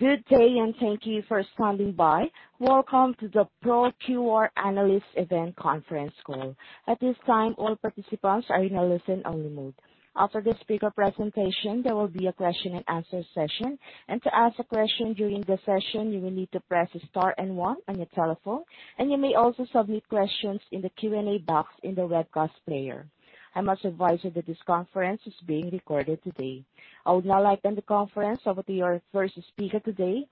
Good day, and thank you for standing by. Welcome to the ProQR analyst event conference call. At this time, all participants are in a listen-only mode. After the speaker presentation, there will be a question-and-answer session. To ask a question during the session, you will need to press Star and one on your telephone, and you may also submit questions in the Q&A box in the webcast player. I must advise you that this conference is being recorded today. I would now like to turn the conference over to your first speaker today,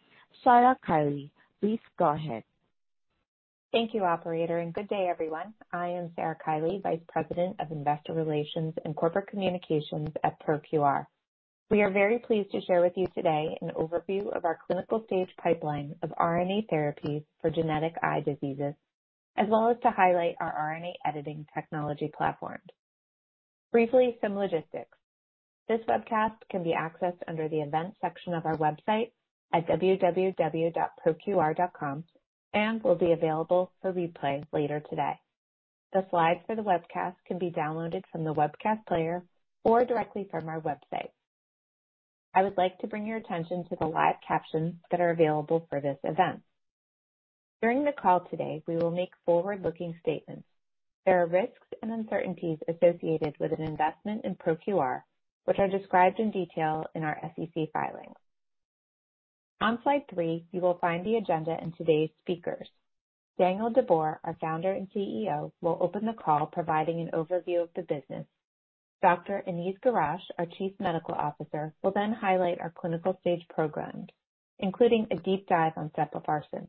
Sarah Kiely. Please go ahead. Thank you, operator, and good day, everyone. I am Sarah Kiely, Vice President of Investor Relations and Corporate Communications at ProQR. We are very pleased to share with you today an overview of our clinical stage pipeline of RNA therapies for genetic eye diseases, as well as to highlight our RNA editing technology platform. Briefly, some logistics. This webcast can be accessed under the events section of our website at www.proqr.com and will be available for replay later today. The slides for the webcast can be downloaded from the webcast player or directly from our website. I would like to bring your attention to the live captions that are available for this event. During the call today, we will make forward-looking statements. There are risks and uncertainties associated with an investment in ProQR, which are described in detail in our SEC filings. On Slide 3, you will find the agenda and today's speakers. Daniel de Boer, our Founder and CEO, will open the call, providing an overview of the business. Dr. Aniz Girach, our Chief Medical Officer, will then highlight our clinical stage programs, including a deep dive on sepofarsen.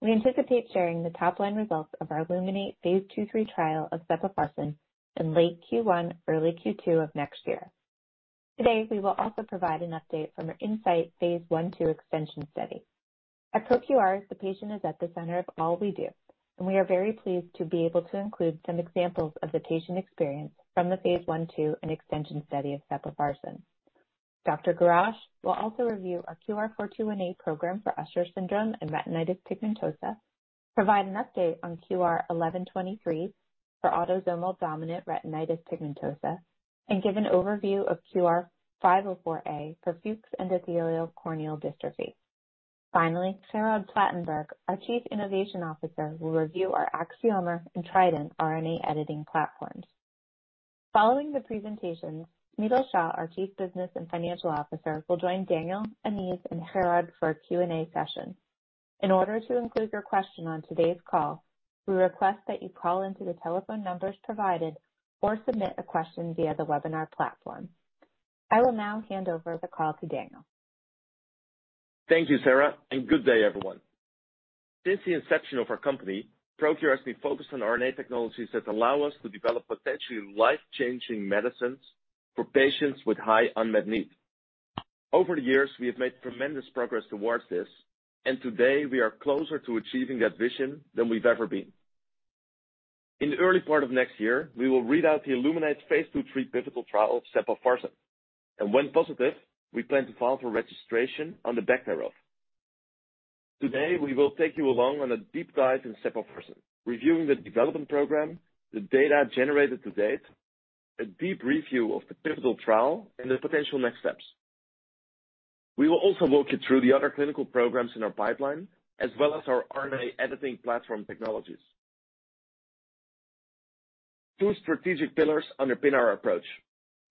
We anticipate sharing the top-line results of our ILLUMINATE phase II/III trial of sepofarsen in late Q1, early Q2 of next year. Today, we will also provide an update from our InSight phase I/II extension study. At ProQR, the patient is at the center of all we do, and we are very pleased to be able to include some examples of the patient experience from the phase I/II and extension study of sepofarsen. Dr. Girach will also review our QR-421a program for Usher syndrome and retinitis pigmentosa, provide an update on QR-1123 for autosomal dominant retinitis pigmentosa, and give an overview of QR-504a for Fuchs' endothelial corneal dystrophy. Gerard Platenburg, our Chief Innovation Officer, will review our Axiomer and Trident RNA editing platforms. Following the presentations, Smital Shah, our Chief Business and Financial Officer, will join Daniel, Aniz, and Gerard for a Q&A session. In order to include your question on today's call, we request that you call in to the telephone numbers provided or submit a question via the webinar platform. I will now hand over the call to Daniel. Thank you, Sarah, and good day, everyone. Since the inception of our company, ProQR has been focused on RNA technologies that allow us to develop potentially life-changing medicines for patients with high unmet need. Over the years, we have made tremendous progress towards this, and today we are closer to achieving that vision than we've ever been. In the early part of next year, we will read out the ILLUMINATE phase II/III pivotal trial of sepofarsen, and when positive, we plan to file for registration on the back thereof. Today, we will take you along on a deep dive in sepofarsen, reviewing the development program, the data generated to date, a deep review of the pivotal trial, and the potential next steps. We will also walk you through the other clinical programs in our pipeline, as well as our RNA editing platform technologies. Two strategic pillars underpin our approach.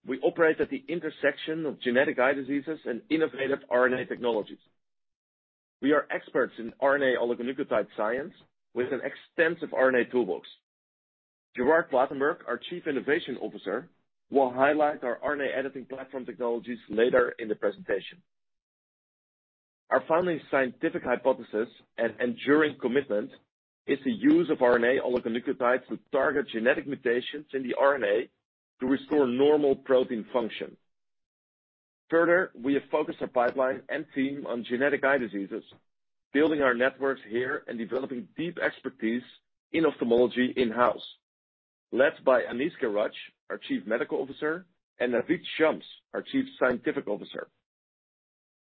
We operate at the intersection of genetic eye diseases and innovative RNA technologies. We are experts in RNA oligonucleotide science with an extensive RNA toolbox. Gerard Platenburg, our Chief Innovation Officer, will highlight our RNA Editing Platform technologies later in the presentation. Our founding scientific hypothesis and enduring commitment is the use of RNA oligonucleotides to target genetic mutations in the RNA to restore normal protein function. Further, we have focused our pipeline and team on genetic eye diseases, building our networks here and developing deep expertise in ophthalmology in-house, led by Aniz Girach, our Chief Medical Officer, and Naveed Shams, our Chief Scientific Officer.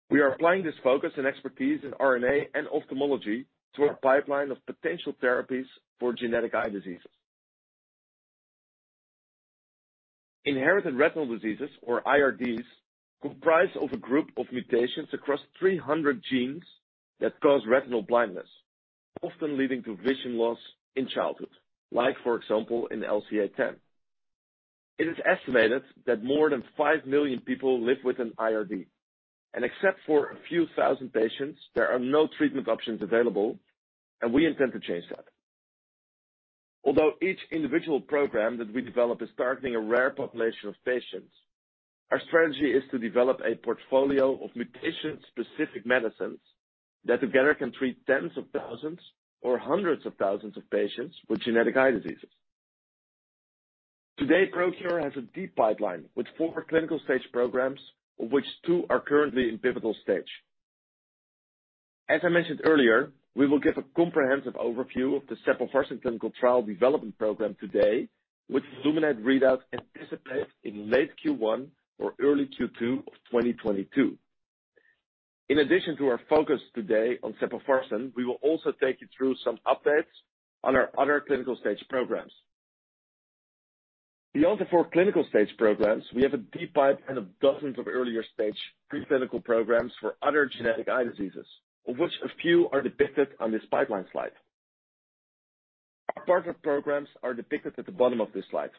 We are applying this focus and expertise in RNA and ophthalmology to our pipeline of potential therapies for genetic eye diseases. Inherited retinal diseases, or IRDs, comprise of a group of mutations across 300 genes that cause retinal blindness, often leading to vision loss in childhood, like, for example, in LCA10. It is estimated that more than 5 million people live with an IRD, and except for a few thousand patients, there are no treatment options available, and we intend to change that. Although each individual program that we develop is targeting a rare population of patients, our strategy is to develop a portfolio of mutation-specific medicines that together can treat tens of thousands or hundreds of thousands of patients with genetic eye diseases. Today, ProQR has a deep pipeline with four clinical stage programs, of which two are currently in pivotal stage. As I mentioned earlier, we will give a comprehensive overview of the sepofarsen clinical trial development program today, with ILLUMINATE readouts anticipated in late Q1 or early Q2 of 2022. In addition to our focus today on sepofarsen, we will also take you through some updates on our other clinical stage programs. Beyond the four clinical stage programs, we have a deep pipeline and 12 earlier stage pre-clinical programs for other genetic eye diseases, of which a few are depicted on this pipeline slide. Our partner programs are depicted at the bottom of this slide.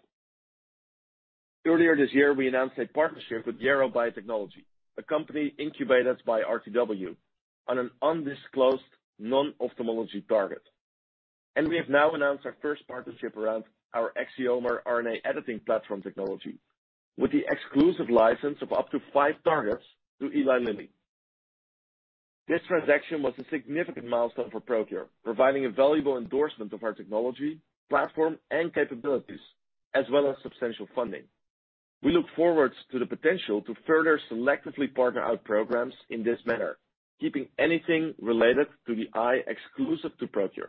Earlier this year, we announced a partnership with Yarrow Biotechnology, a company incubated by RTW on an undisclosed non-ophthalmology target. We have now announced our first partnership around our Axiomer RNA editing platform technology with the exclusive license of up to five targets to Eli Lilly. This transaction was a significant milestone for ProQR, providing a valuable endorsement of our technology, platform, and capabilities, as well as substantial funding. We look forward to the potential to further selectively partner our programs in this manner, keeping anything related to the eye exclusive to ProQR.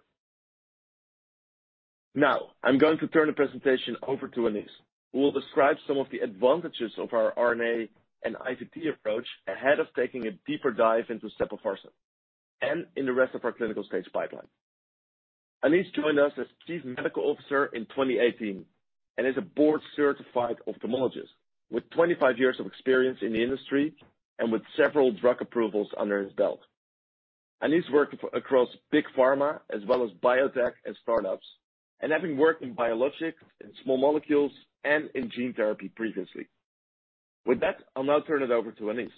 Now, I'm going to turn the presentation over to Aniz Girach, who will describe some of the advantages of our RNA and IVT approach ahead of taking a deeper dive into sepofarsen and in the rest of our clinical stage pipeline. Aniz Girach joined us as Chief Medical Officer in 2018 and is a board-certified ophthalmologist with 25 years of experience in the industry and with several drug approvals under his belt. Aniz Girach worked across big pharma as well as biotech and startups, and having worked in biologics, in small molecules, and in gene therapy previously. With that, I'll now turn it over to Aniz.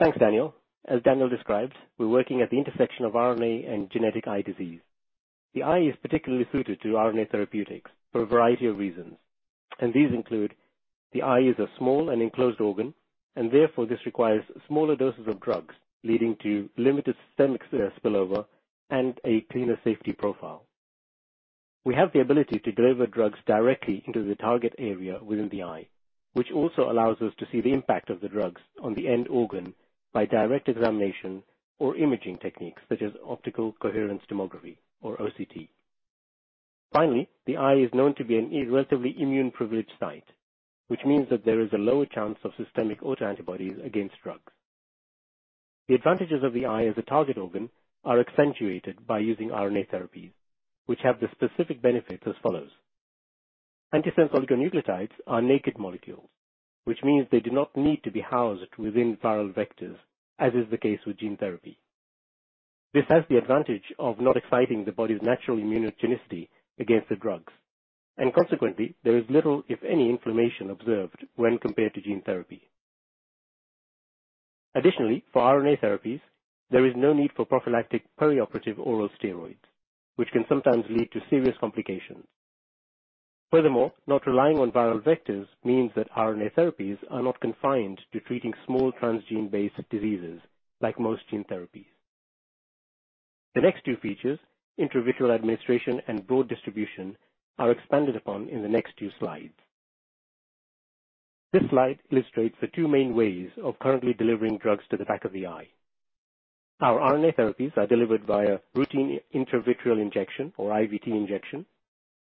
Thanks, Daniel. As Daniel described, we're working at the intersection of RNA and genetic eye disease. The eye is particularly suited to RNA therapeutics for a variety of reasons, and these include the eye is a small and enclosed organ, and therefore this requires smaller doses of drugs, leading to limited systemic spillover and a cleaner safety profile. We have the ability to deliver drugs directly into the target area within the eye, which also allows us to see the impact of the drugs on the end organ by direct examination or imaging techniques such as optical coherence tomography or OCT. Finally, the eye is known to be a relatively immune-privileged site, which means that there is a low account of systemic autoantibodies against drugs. The advantages of the eye as a target organ are accentuated by using RNA therapies, which have the specific benefits as follows. Antisense oligonucleotides are naked molecules, which means they do not need to be housed within viral vectors, as is the case with gene therapy. This has the advantage of not exciting the body's natural immunogenicity against the drugs, and consequently, there is little, if any, inflammation observed when compared to gene therapy. Additionally, for RNA therapies, there is no need for prophylactic perioperative oral steroids, which can sometimes lead to serious complications. Furthermore, not relying on viral vectors means that RNA therapies are not confined to treating small transgene-based diseases like most gene therapies. The next two features, intravitreal administration and broad distribution, are expanded upon in the next two slides. This slide illustrates the two main ways of currently delivering drugs to the back of the eye. Our RNA therapies are delivered via routine intravitreal injection or IVT injection,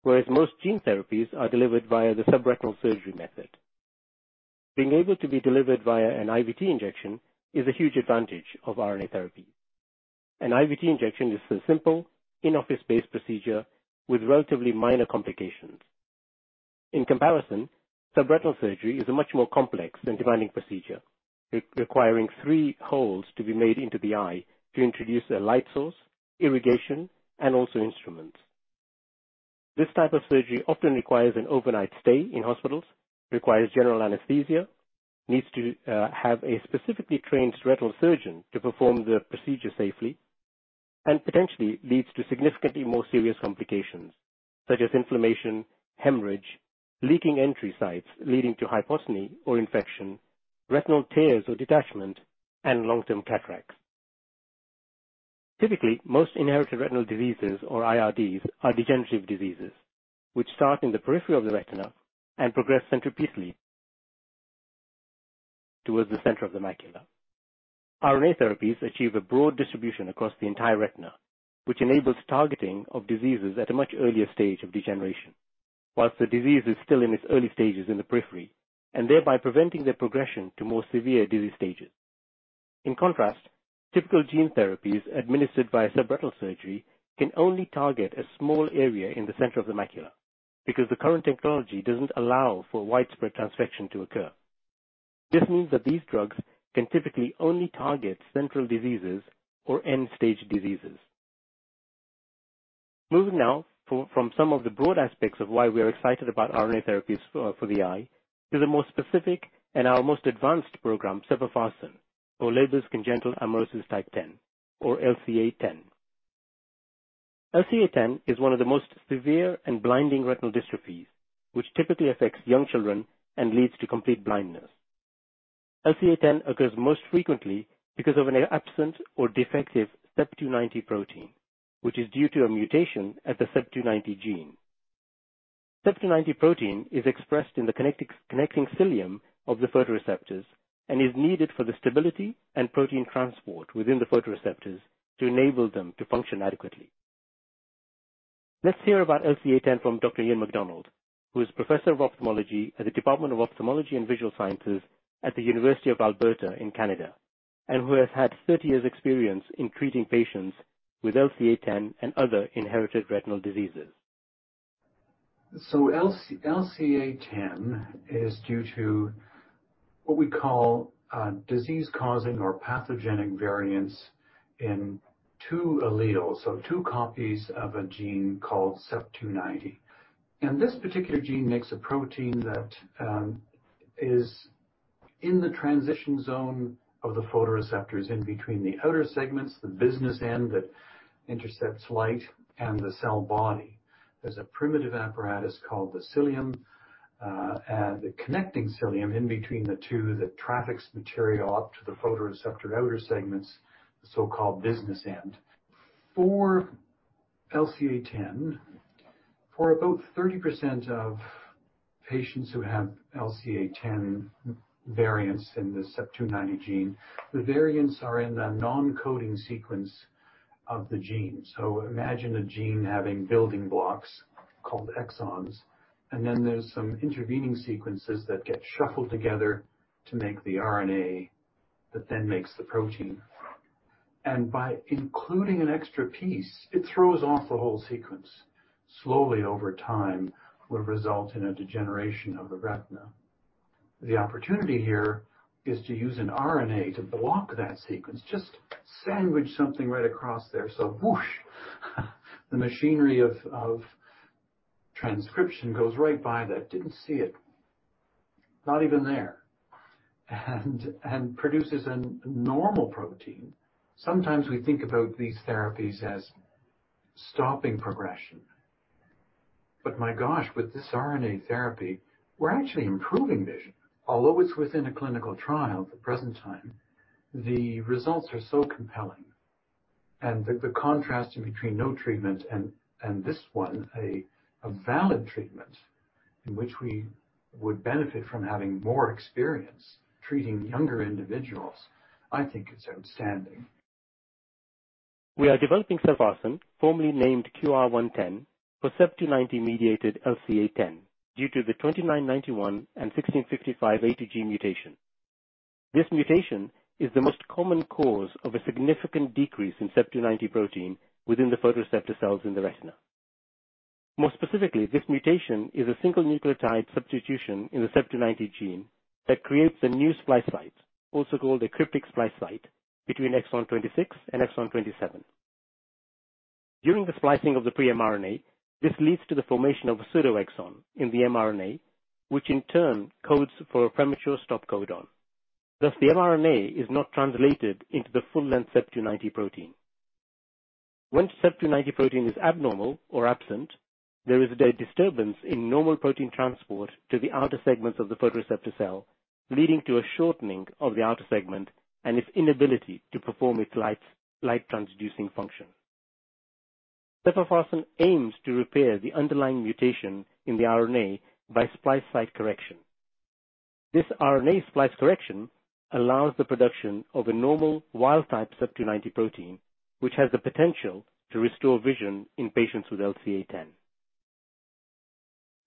whereas most gene therapies are delivered via the subretinal surgery method. Being able to be delivered via an IVT injection is a huge advantage of RNA therapy. An IVT injection is a simple in-office-based procedure with relatively minor complications. In comparison, subretinal surgery is a much more complex and demanding procedure, requiring three holes to be made into the eye to introduce a light source, irrigation, and also instruments. This type of surgery often requires an overnight stay in hospitals, requires general anesthesia, needs to have a specifically trained retinal surgeon to perform the procedure safely and potentially leads to significantly more serious complications such as inflammation, hemorrhage, leaking entry sites leading to hypopyon or infection, retinal tears or detachment, and long-term cataracts. Typically, most inherited retinal diseases or IRDs are degenerative diseases which start in the periphery of the retina and progress centripetally towards the center of the macula. RNA therapies achieve a broad distribution across the entire retina, which enables targeting of diseases at a much earlier stage of degeneration while the disease is still in its early stages in the periphery, and thereby preventing their progression to more severe disease stages. In contrast, typical gene therapies administered via subretinal surgery can only target a small area in the center of the macula because the current technology doesn't allow for widespread transfection to occur. This means that these drugs can typically only target central diseases or end-stage diseases. Moving now from some of the broad aspects of why we are excited about RNA therapies for the eye, is a more specific and our most advanced program, sepofarsen for Leber's congenital amaurosis type 10 or LCA10. LCA10 is one of the most severe and blinding retinal dystrophies, which typically affects young children and leads to complete blindness. LCA10 occurs most frequently because of an absent or defective CEP290 protein, which is due to a mutation at the CEP290 gene. CEP290 protein is expressed in the connecting cilium of the photoreceptors and is needed for the stability and protein transport within the photoreceptors to enable them to function adequately. Let's hear about LCA10 from Dr. Ian MacDonald, who is Professor of Ophthalmology at the Department of Ophthalmology and Visual Sciences at the University of Alberta in Canada, and who has had 30 years experience in treating patients with LCA10 and other inherited retinal diseases. LCA10 is due to what we call disease-causing or pathogenic variants in two alleles, two copies of a gene called CEP290. This particular gene makes a protein that is in the transition zone of the photoreceptors in between the outer segments, the business end that intercepts light and the cell body. There's a primitive apparatus called the cilium, the connecting cilium in between the two that traffics material up to the photoreceptor outer segments, the so-called business end. For LCA10, for about 30% of patients who have LCA10 variants in the CEP290 gene, the variants are in the non-coding sequence of the gene. Imagine a gene having building blocks called exons, and then there's some intervening sequences that get shuffled together to make the RNA that then makes the protein. By including an extra piece, it throws off the whole sequence. Slowly over time, it will result in a degeneration of the retina. The opportunity here is to use an RNA to block that sequence. Just sandwich something right across there. Whoosh!. The machinery of transcription goes right by that, didn't see it. Not even there. It produces a normal protein. Sometimes we think about these therapies as stopping progression. My gosh, with this RNA therapy, we're actually improving vision. Although it's within a clinical trial at the present time, the results are so compelling. The contrast in between no treatment and this one, a valid treatment in which we would benefit from having more experience treating younger individuals, I think is outstanding. We are developing sepofarsen, formerly named QR-110, for CEP290-mediated LCA10 due to the c.2991+1655A>G mutation. This mutation is the most common cause of a significant decrease in CEP290 protein within the photoreceptor cells in the retina. More specifically, this mutation is a single nucleotide substitution in the CEP290 gene that creates a new splice site, also called a cryptic splice site, between exon 26 and exon 27. During the splicing of the pre-mRNA, this leads to the formation of a pseudo-exon in the mRNA, which in turn codes for a premature stop codon. Thus, the mRNA is not translated into the full-length CEP290 protein. When CEP290 protein is abnormal or absent, there is a disturbance in normal protein transport to the outer segments of the photoreceptor cell, leading to a shortening of the outer segment and its inability to perform its light-transducing function. Sepofarsen aims to repair the underlying mutation in the RNA by splice site correction. This RNA splice correction allows the production of a normal wild type CEP290 protein, which has the potential to restore vision in patients with LCA10.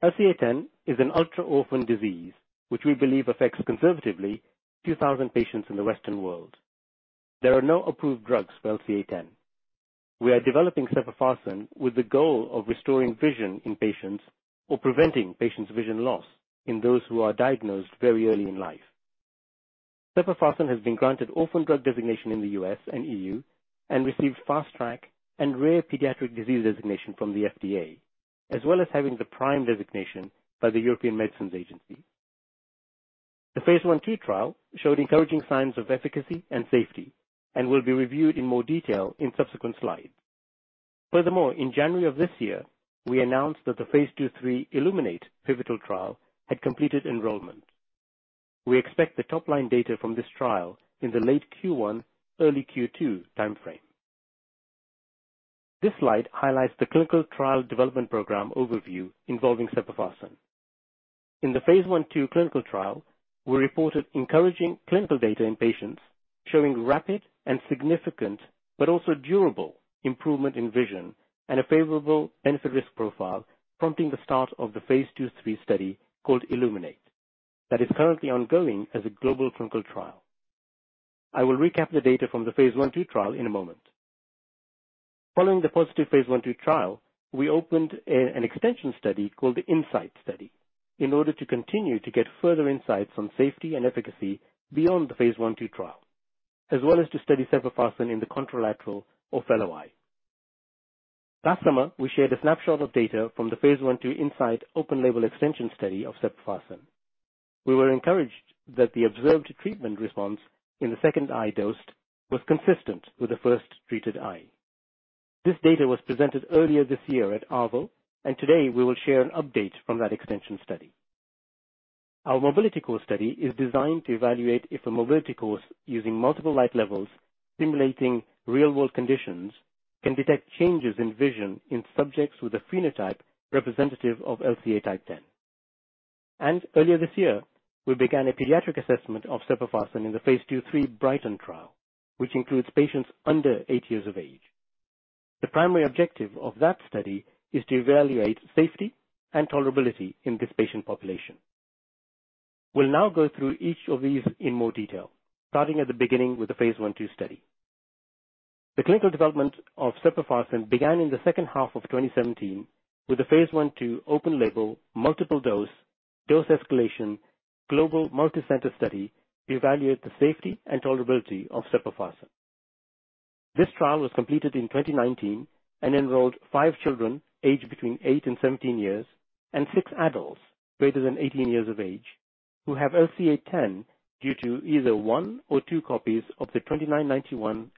LCA10 is an ultra-orphan disease, which we believe affects conservatively 2,000 patients in the Western world. There are no approved drugs for LCA10. We are developing sepofarsen with the goal of restoring vision in patients or preventing patients' vision loss in those who are diagnosed very early in life. Sepofarsen has been granted Orphan Drug Designation in the U.S. and EU, and received Fast Track and Rare Pediatric Disease Designation from the FDA, as well as having the PRIME Designation by the European Medicines Agency. The phase I/II trial showed encouraging signs of efficacy and safety and will be reviewed in more detail in subsequent slides. Furthermore, in January of this year, we announced that the phase II/III ILLUMINATE pivotal trial had completed enrollment. We expect the top-line data from this trial in the late Q1, early Q2 timeframe. This slide highlights the clinical trial development program overview involving sepofarsen. In the phase I/II clinical trial, we reported encouraging clinical data in patients showing rapid and significant, but also durable improvement in vision and a favorable benefit/risk profile, prompting the start of the phase II/III study called ILLUMINATE that is currently ongoing as a global clinical trial. I will recap the data from the phase I/II trial in a moment. Following the positive phase I/II trial, we opened an extension study called the InSight study in order to continue to get further insights on safety and efficacy beyond the phase I/II trial, as well as to study sepofarsen in the contralateral or fellow eye. Last summer, we shared a snapshot of data from the phase I/II InSight open-label extension study of sepofarsen. We were encouraged that the observed treatment response in the second eye dosed was consistent with the first treated eye. This data was presented earlier this year at ARVO, and today we will share an update from that extension study. Our mobility course study is designed to evaluate if a mobility course using multiple light levels simulating real-world conditions can detect changes in vision in subjects with a phenotype representative of LCA type 10. Earlier this year, we began a pediatric assessment of sepofarsen in the phase II/III BRIGHTEN trial, which includes patients under eight years of age. The primary objective of that study is to evaluate safety and tolerability in this patient population. We'll now go through each of these in more detail, starting at the beginning with the phase I/II study. The clinical development of sepofarsen began in the second half of 2017 with the phase I/II open label, multiple dose escalation, global multicenter study to evaluate the safety and tolerability of sepofarsen. This trial was completed in 2019 and enrolled five children aged between eight and 17 years and six adults greater than 18 years of age who have LCA10 due to either one or two copies of the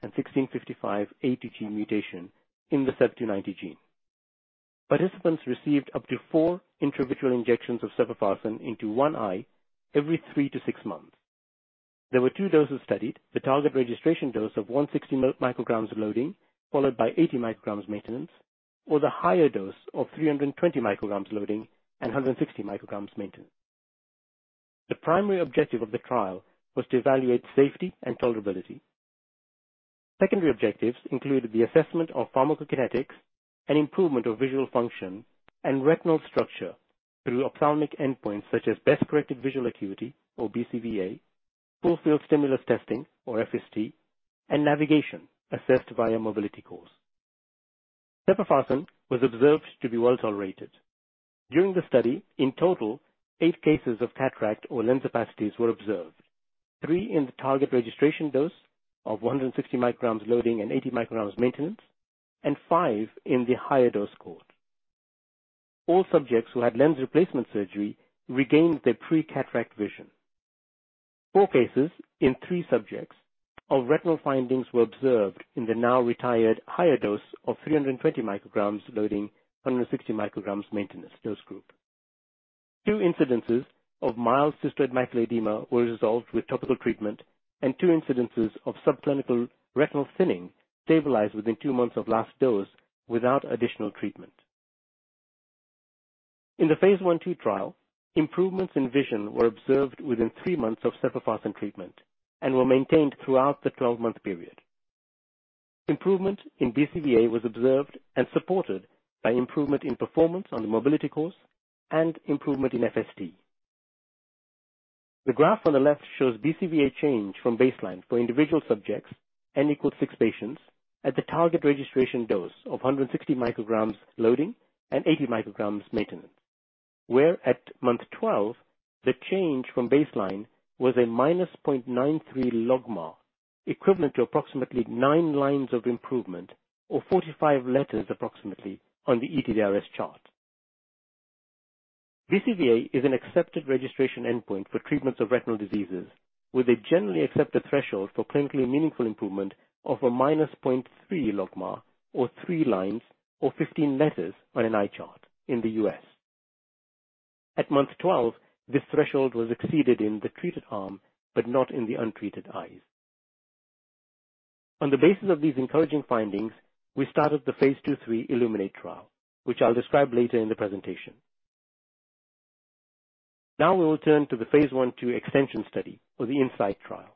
c.2991+1655A>G mutation in the CEP290 gene. Participants received up to four intravitreal injections of sepofarsen into one eye every three to six months. There were two doses studied, the target registration dose of 160 mcg loading followed by 80 mcg maintenance, or the higher dose of 320 mcg loading and 160 mcg maintenance. The primary objective of the trial was to evaluate safety and tolerability. Secondary objectives included the assessment of pharmacokinetics and improvement of visual function and retinal structure through ophthalmic endpoints such as best corrected visual acuity or BCVA, full field stimulus testing or FST, and navigation assessed via mobility course. Sepofarsen was observed to be well tolerated. During the study, in total, eight cases of cataract or lens opacities were observed. Three in the target registration dose of 160 mcg loading and 80 mcg maintenance, and five in the higher dose cohort. All subjects who had lens replacement surgery regained their pre-cataract vision. Four cases in three subjects of retinal findings were observed in the now-retired higher dose of 320 mcg loading, 160 mcg maintenance dose group. Two incidences of mild cystoid macular edema were resolved with topical treatment and two incidences of subclinical retinal thinning stabilized within two months of last dose without additional treatment. In the phase I/II trial, improvements in vision were observed within three months of sepofarsen treatment and were maintained throughout the 12-month period. Improvement in BCVA was observed and supported by improvement in performance on the mobility course and improvement in FST. The graph on the left shows BCVA change from baseline for individual subjects, N equals six patients, at the target registration dose of 160 mcg loading and 80 mcg maintenance, where at month 12, the change from baseline was a -0.93 logMAR, equivalent to approximately nine lines of improvement or 45 letters approximately on the ETDRS chart. BCVA is an accepted registration endpoint for treatments of retinal diseases, with a generally accepted threshold for clinically meaningful improvement of -0.3 logMAR or three lines or 15 letters on an eye chart in the U.S. At month 12, this threshold was exceeded in the treated arm, but not in the untreated eyes. On the basis of these encouraging findings, we started the phase II/III ILLUMINATE trial, which I'll describe later in the presentation. Now we will turn to the phase I/II extension study for the InSight trial.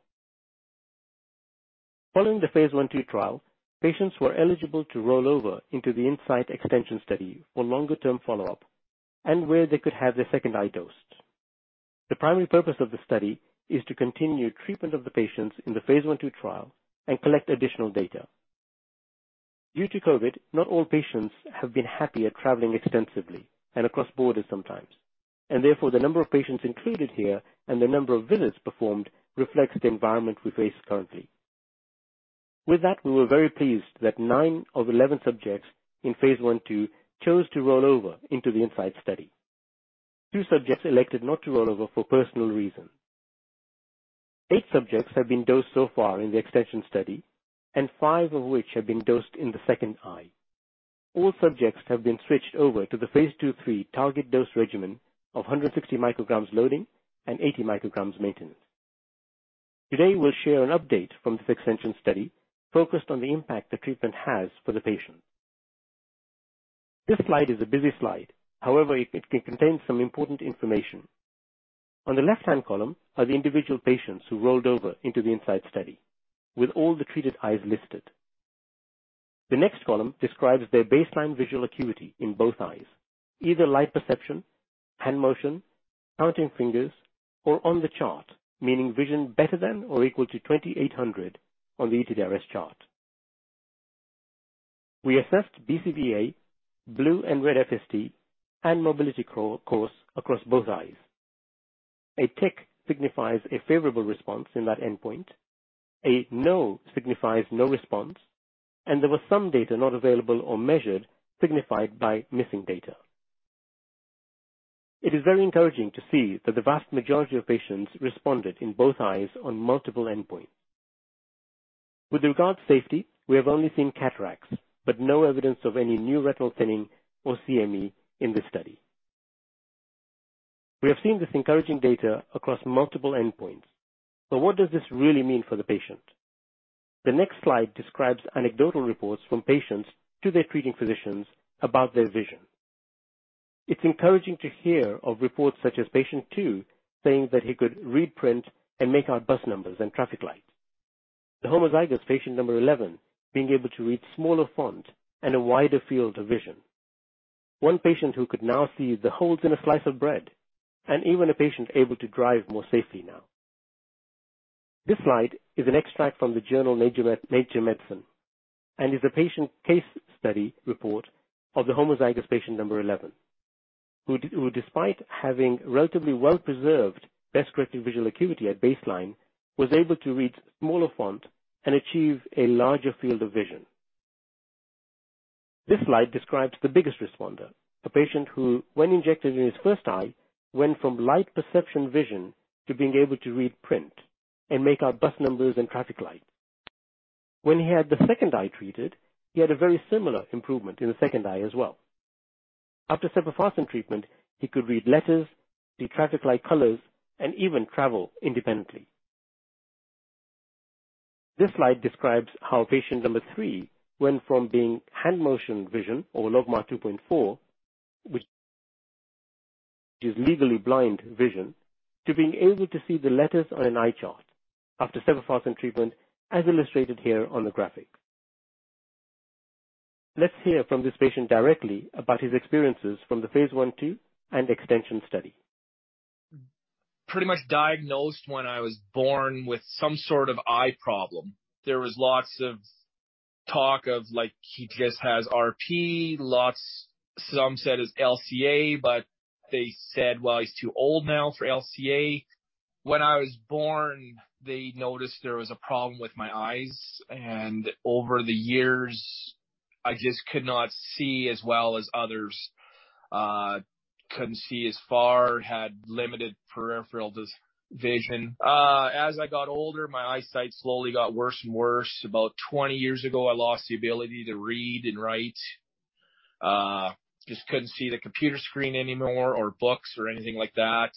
Following the phase I/II trial, patients were eligible to roll over into the InSight extension study for longer term follow-up and where they could have their second eye dosed. The primary purpose of the study is to continue treatment of the patients in the phase I/II trial and collect additional data. Due to COVID, not all patients have been happy at traveling extensively and across borders sometimes. Therefore, the number of patients included here and the number of visits performed reflects the environment we face currently. With that, we were very pleased that 9 of 11 subjects in phase I/II chose to roll over into the InSight study. Two subjects elected not to roll over for personal reasons. Eight subjects have been dosed so far in the extension study, and five of which have been dosed in the second eye. All subjects have been switched over to the phase II/III target dose regimen of 100 mcg loading and 80 mcg maintenance. Today, we'll share an update from this extension study focused on the impact the treatment has for the patient. This slide is a busy slide. However, it contains some important information. On the left-hand column are the individual patients who rolled over into the InSight study with all the treated eyes listed. The next column describes their baseline visual acuity in both eyes, either light perception, hand motion, counting fingers, or on the chart, meaning vision better than or equal to 20/800 on the ETDRS chart. We assessed BCVA, blue and red FST, and mobility course across both eyes. A tick signifies a favorable response in that endpoint. A no signifies no response. There was some data not available or measured signified by missing data. It is very encouraging to see that the vast majority of patients responded in both eyes on multiple endpoints. With regard to safety, we have only seen cataracts, but no evidence of any new retinal thinning or CME in this study. We have seen this encouraging data across multiple endpoints, but what does this really mean for the patient? The next slide describes anecdotal reports from patients to their treating physicians about their vision. It's encouraging to hear of reports such as patient two saying that he could read print and make out bus numbers and traffic lights. The homozygous patient Number 11 being able to read smaller font and a wider field of vision. One patient who could now see the holes in a slice of bread, and even a patient able to drive more safely now. This slide is an extract from the journal Nature Medicine and is a patient case study report of the homozygous patient Number 11, who, despite having relatively well-preserved best corrective visual acuity at baseline, was able to read smaller font and achieve a larger field of vision. This slide describes the biggest responder, a patient who, when injected in his first eye, went from light perception vision to being able to read print and make out bus numbers and traffic lights. When he had the second eye treated, he had a very similar improvement in the second eye as well. After sepofarsen treatment, he could read letters, see traffic light colors, and even travel independently. This slide describes how patient Number 3 went from being hand motion vision, or logMAR 2.4, which is legally blind vision, to being able to see the letters on an eye chart after sepofarsen treatment, as illustrated here on the graphic. Let's hear from this patient directly about his experiences from the phase I/II, and extension study. Pretty much diagnosed when I was born with some sort of eye problem. There was lots of talk of like, he just has RP. Some said it's LCA, but they said, Well, he's too old now for LCA.When I was born, they noticed there was a problem with my eyes, and over the years, I just could not see as well as others. Couldn't see as far, had limited peripheral vision. As I got older, my eyesight slowly got worse and worse. About 20 years ago, I lost the ability to read and write. Just couldn't see the computer screen anymore or books or anything like that.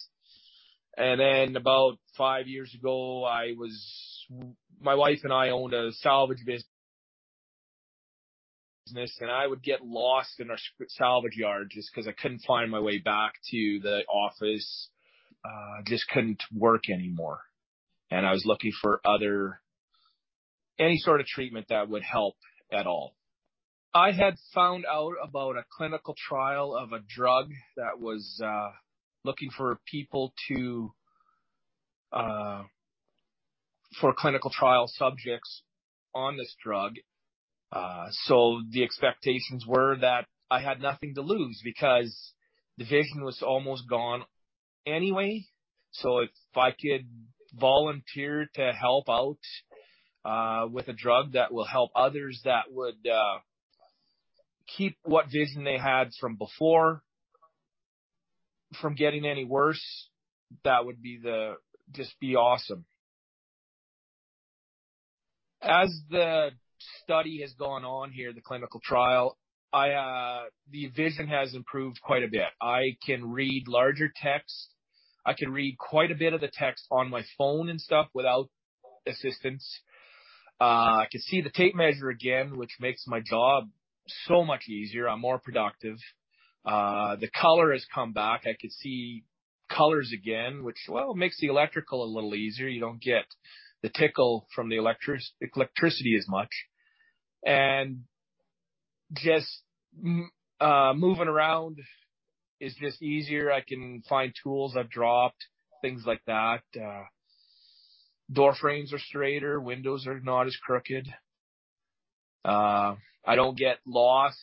About five years ago, my wife and I owned a salvage business, and I would get lost in our salvage yard just 'cause I couldn't find my way back to the office. I just couldn't work anymore. I was looking for any sort of treatment that would help at all. I had found out about a clinical trial of a drug that was looking for clinical trial subjects on this drug. The expectations were that I had nothing to lose because the vision was almost gone anyway. If I could volunteer to help out with a drug that will help others, that would keep what vision they had from before from getting any worse, that would be awesome. As the study has gone on here, the clinical trial, the vision has improved quite a bit. I can read larger text. I can read quite a bit of the text on my phone and stuff without assistance. I can see the tape measure again, which makes my job so much easier. I'm more productive. The color has come back. I can see colors again, which makes the electrical a little easier. You don't get the tickle from the electricity as much. Just moving around is just easier. I can find tools I've dropped, things like that. Door frames are straighter, windows are not as crooked. I don't get lost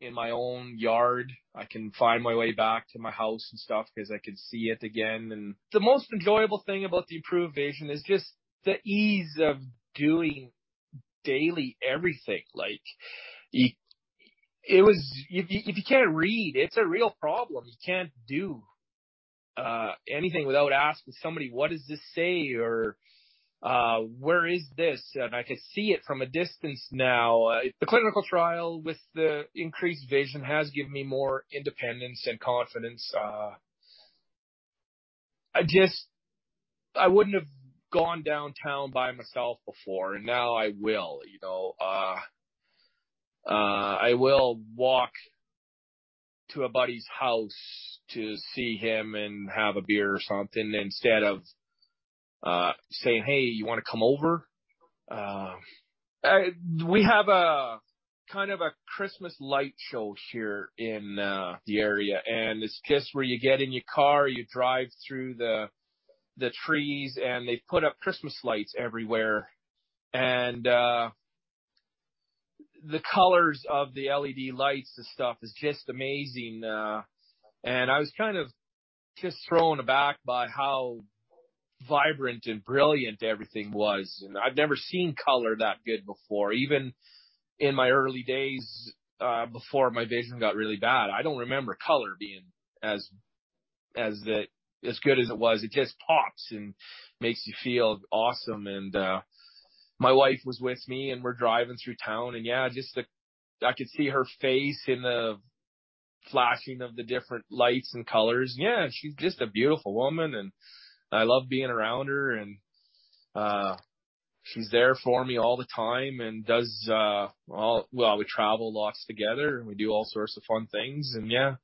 in my own yard. I can find my way back to my house and stuff 'cause I can see it again. The most enjoyable thing about the improved vision is just the ease of doing daily everything. Like it was. If you can't read, it's a real problem. You can't do anything without asking somebody, what does this say? Or, where is this? I can see it from a distance now. The clinical trial with the increased vision has given me more independence and confidence. I just, I wouldn't have gone downtown by myself before, and now I will, you know. I will walk to a buddy's house to see him and have a beer or something instead of saying, Hey, you wanna come over? We have a kind of a Christmas light show here in the area, and it's just where you get in your car, you drive through the trees, and they put up Christmas lights everywhere. The colors of the LED lights and stuff is just amazing. I was kind of just thrown aback by how vibrant and brilliant everything was. I've never seen color that good before. Even in my early days, before my vision got really bad, I don't remember color being as good as it was. It just pops and makes you feel awesome. My wife was with me, and we're driving through town and I could see her face in the flashing of the different lights and colors. Yeah, she's just a beautiful woman, and I love being around her. She's there for me all the time and does all. Well, we travel lots together, and we do all sorts of fun things, and yeah.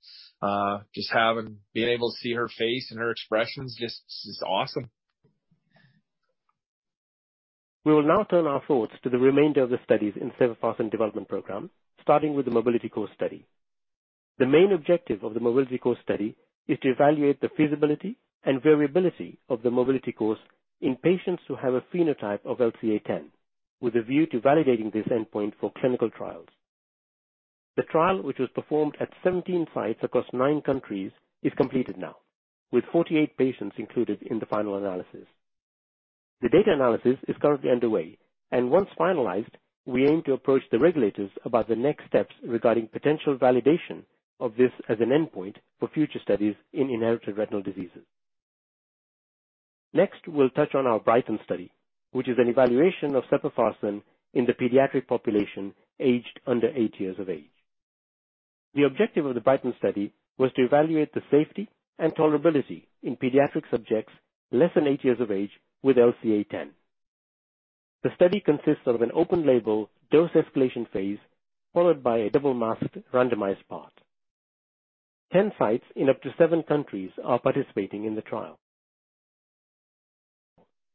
Being able to see her face and her expressions, just, it's awesome. We will now turn our thoughts to the remainder of the studies in sepofarsen development program, starting with the Mobility Course Study. The main objective of the mobility course study is to evaluate the feasibility and variability of the mobility course in patients who have a phenotype of LCA10, with a view to validating this endpoint for clinical trials. The trial, which was performed at 17 sites across nine countries, is completed now, with 48 patients included in the final analysis. The data analysis is currently underway, and once finalized, we aim to approach the regulators about the next steps regarding potential validation of this as an endpoint for future studies in inherited retinal diseases. Next, we'll touch on our BRIGHTEN study, which is an evaluation of sepofarsen in the pediatric population aged under eight years of age. The objective of the BRIGHTEN study was to evaluate the safety and tolerability in pediatric subjects less than eight years of age with LCA10. The study consists of an open-label dose escalation phase followed by a double-masked randomized part. 10 sites in up to seven countries are participating in the trial,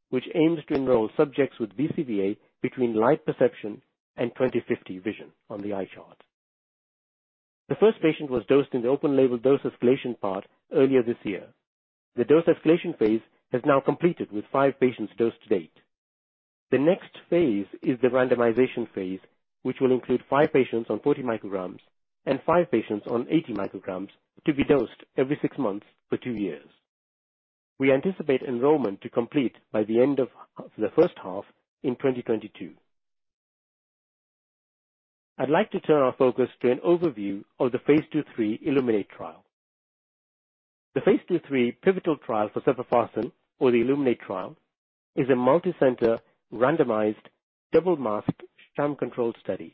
which aims to enroll subjects with BCVA between light perception and 20/50 vision on the eye chart. The first patient was dosed in the open-label dose escalation part earlier this year. The dose escalation phase has now completed with five patients dosed to date. The next phase is the randomization phase, which will include five patients on 40 mcg and five patients on 80 mcg to be dosed every six months for two years. We anticipate enrollment to complete by the end of the first half in 2022. I'd like to turn our focus to an overview of the phase II/III ILLUMINATE trial. The phase II/III pivotal trial for sepofarsen or the ILLUMINATE trial is a multicenter, randomized, double-masked, sham-controlled study.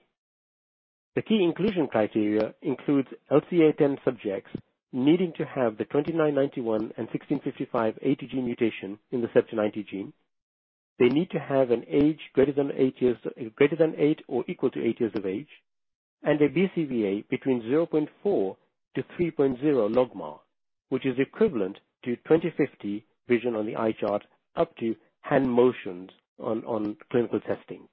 The key inclusion criteria includes LCA10 subjects needing to have the 2991 and 1655 A to G mutation in the CEP290 gene. They need to have an age greater than eight or equal to eight years of age, and a BCVA between 0.4-3.0 logMAR, which is equivalent to 20/50 vision on the eye chart, up to hand motions on clinical testing.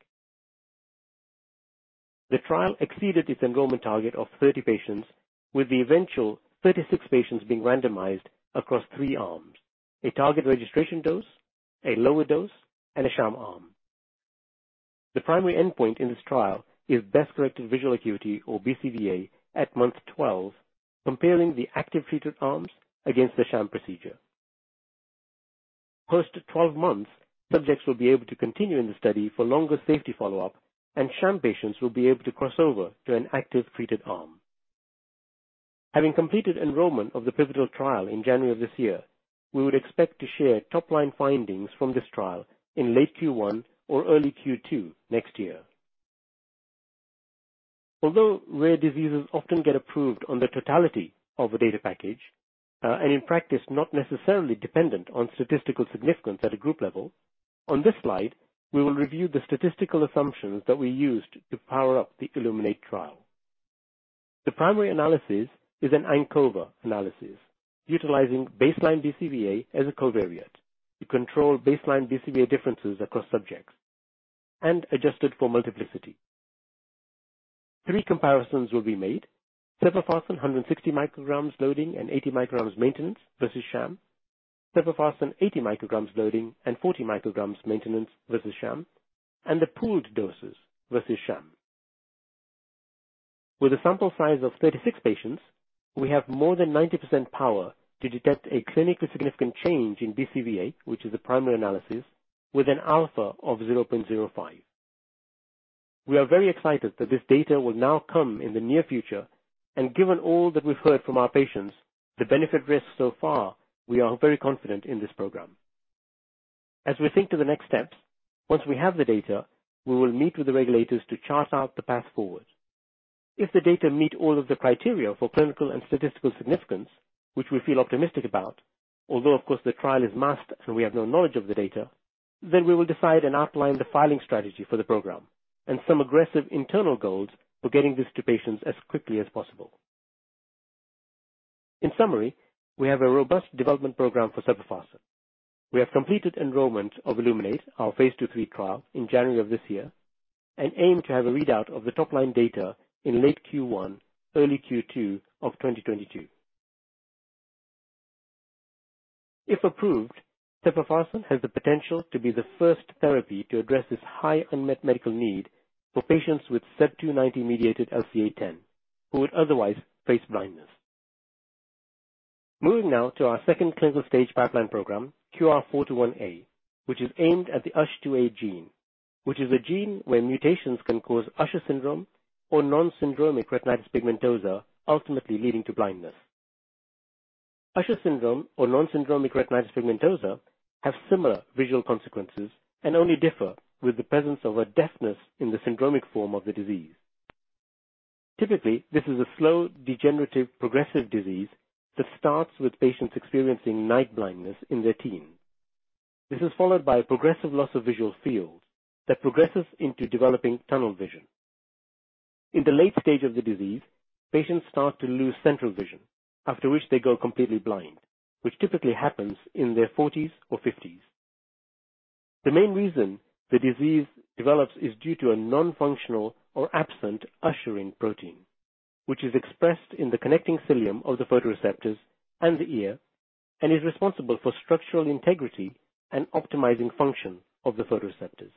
The trial exceeded its enrollment target of 30 patients, with the eventual 36 patients being randomized across three arms: a target registration dose, a lower dose, and a sham arm. The primary endpoint in this trial is best-corrected visual acuity, or BCVA, at month 12, comparing the active treated arms against the sham procedure. Post-12 months, subjects will be able to continue in the study for longer safety follow-up, and sham patients will be able to cross over to an active treated arm. Having completed enrollment of the pivotal trial in January of this year, we would expect to share top-line findings from this trial in late Q1 or early Q2 next year. Although rare diseases often get approved on the totality of a data package, and in practice, not necessarily dependent on statistical significance at a group level, on this slide, we will review the statistical assumptions that we used to power up the ILLUMINATE trial. The primary analysis is an ANCOVA analysis utilizing baseline BCVA as a covariate to control baseline BCVA differences across subjects and adjusted for multiplicity. Three comparisons will be made. Sepofarsen 160 mcg loading and 80 micg maintenance versus sham. Sepofarsen 80 mcg loading and 40 mcg maintenance versus sham. The pooled doses versus sham. With a sample size of 36 patients, we have more than 90% power to detect a clinically significant change in BCVA, which is the primary analysis, with an alpha of 0.05. We are very excited that this data will now come in the near future, and given all that we've heard from our patients, the benefit risk so far, we are very confident in this program. As we think to the next steps, once we have the data, we will meet with the regulators to chart out the path forward. If the data meet all of the criteria for clinical and statistical significance, which we feel optimistic about, although, of course, the trial is masked, and we have no knowledge of the data, then we will decide and outline the filing strategy for the program and some aggressive internal goals for getting this to patients as quickly as possible. In summary, we have a robust development program for sepofarsen. We have completed enrollment of ILLUMINATE, our phase II/III trial in January of this year and aim to have a readout of the top-line data in late Q1, early Q2 of 2022. If approved, sepofarsen has the potential to be the first therapy to address this high unmet medical need for patients with CEP290-mediated LCA10 who would otherwise face blindness. Moving now to our second clinical stage pipeline program, QR-421a, which is aimed at the USH2A gene, which is a gene where mutations can cause Usher syndrome or non-syndromic retinitis pigmentosa, ultimately leading to blindness. Usher syndrome or non-syndromic retinitis pigmentosa have similar visual consequences and only differ with the presence of a deafness in the syndromic form of the disease. Typically, this is a slow, degenerative, progressive disease that starts with patients experiencing night blindness in their teens. This is followed by a progressive loss of visual field that progresses into developing tunnel vision. In the late stage of the disease, patients start to lose central vision, after which they go completely blind, which typically happens in their forties or fifties. The main reason the disease develops is due to a non-functional or absent usherin protein, which is expressed in the connecting cilium of the photoreceptors and the ear and is responsible for structural integrity and optimizing function of the photoreceptors.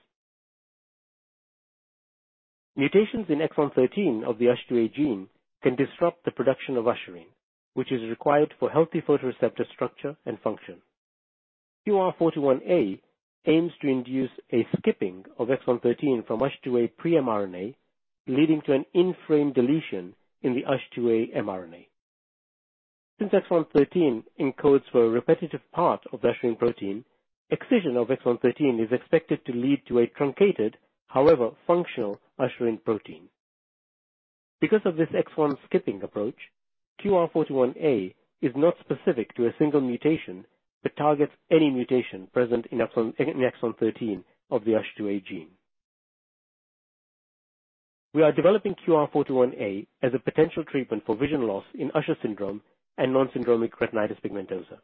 Mutations in exon 13 of the USH2A gene can disrupt the production of usherin, which is required for healthy photoreceptor structure and function. QR-421a aims to induce a skipping of exon 13 from USH2A pre-mRNA, leading to an in-frame deletion in the USH2A mRNA. Since exon 13 encodes for a repetitive part of the usherin protein, excision of exon 13 is expected to lead to a truncated, however, functional usherin protein. Because of this exon skipping approach, QR-421a is not specific to a single mutation, but targets any mutation present in exon 13 of the USH2A gene. We are developing QR-421a as a potential treatment for vision loss in Usher syndrome and non-syndromic retinitis pigmentosa.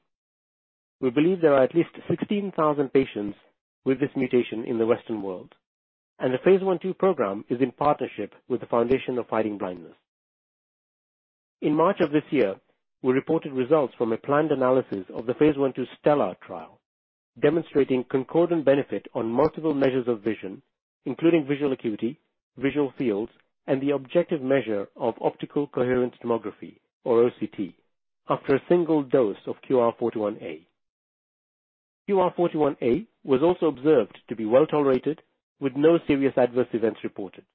We believe there are at least 16,000 patients with this mutation in the Western world, and the phase I/II program is in partnership with the Foundation Fighting Blindness. In March of this year, we reported results from a planned analysis of the phase I/II STELLAR trial, demonstrating concordant benefit on multiple measures of vision, including visual acuity, visual fields, and the objective measure of optical coherence tomography or OCT after a single dose of QR-421a. QR-421a was also observed to be well-tolerated, with no serious adverse events reported.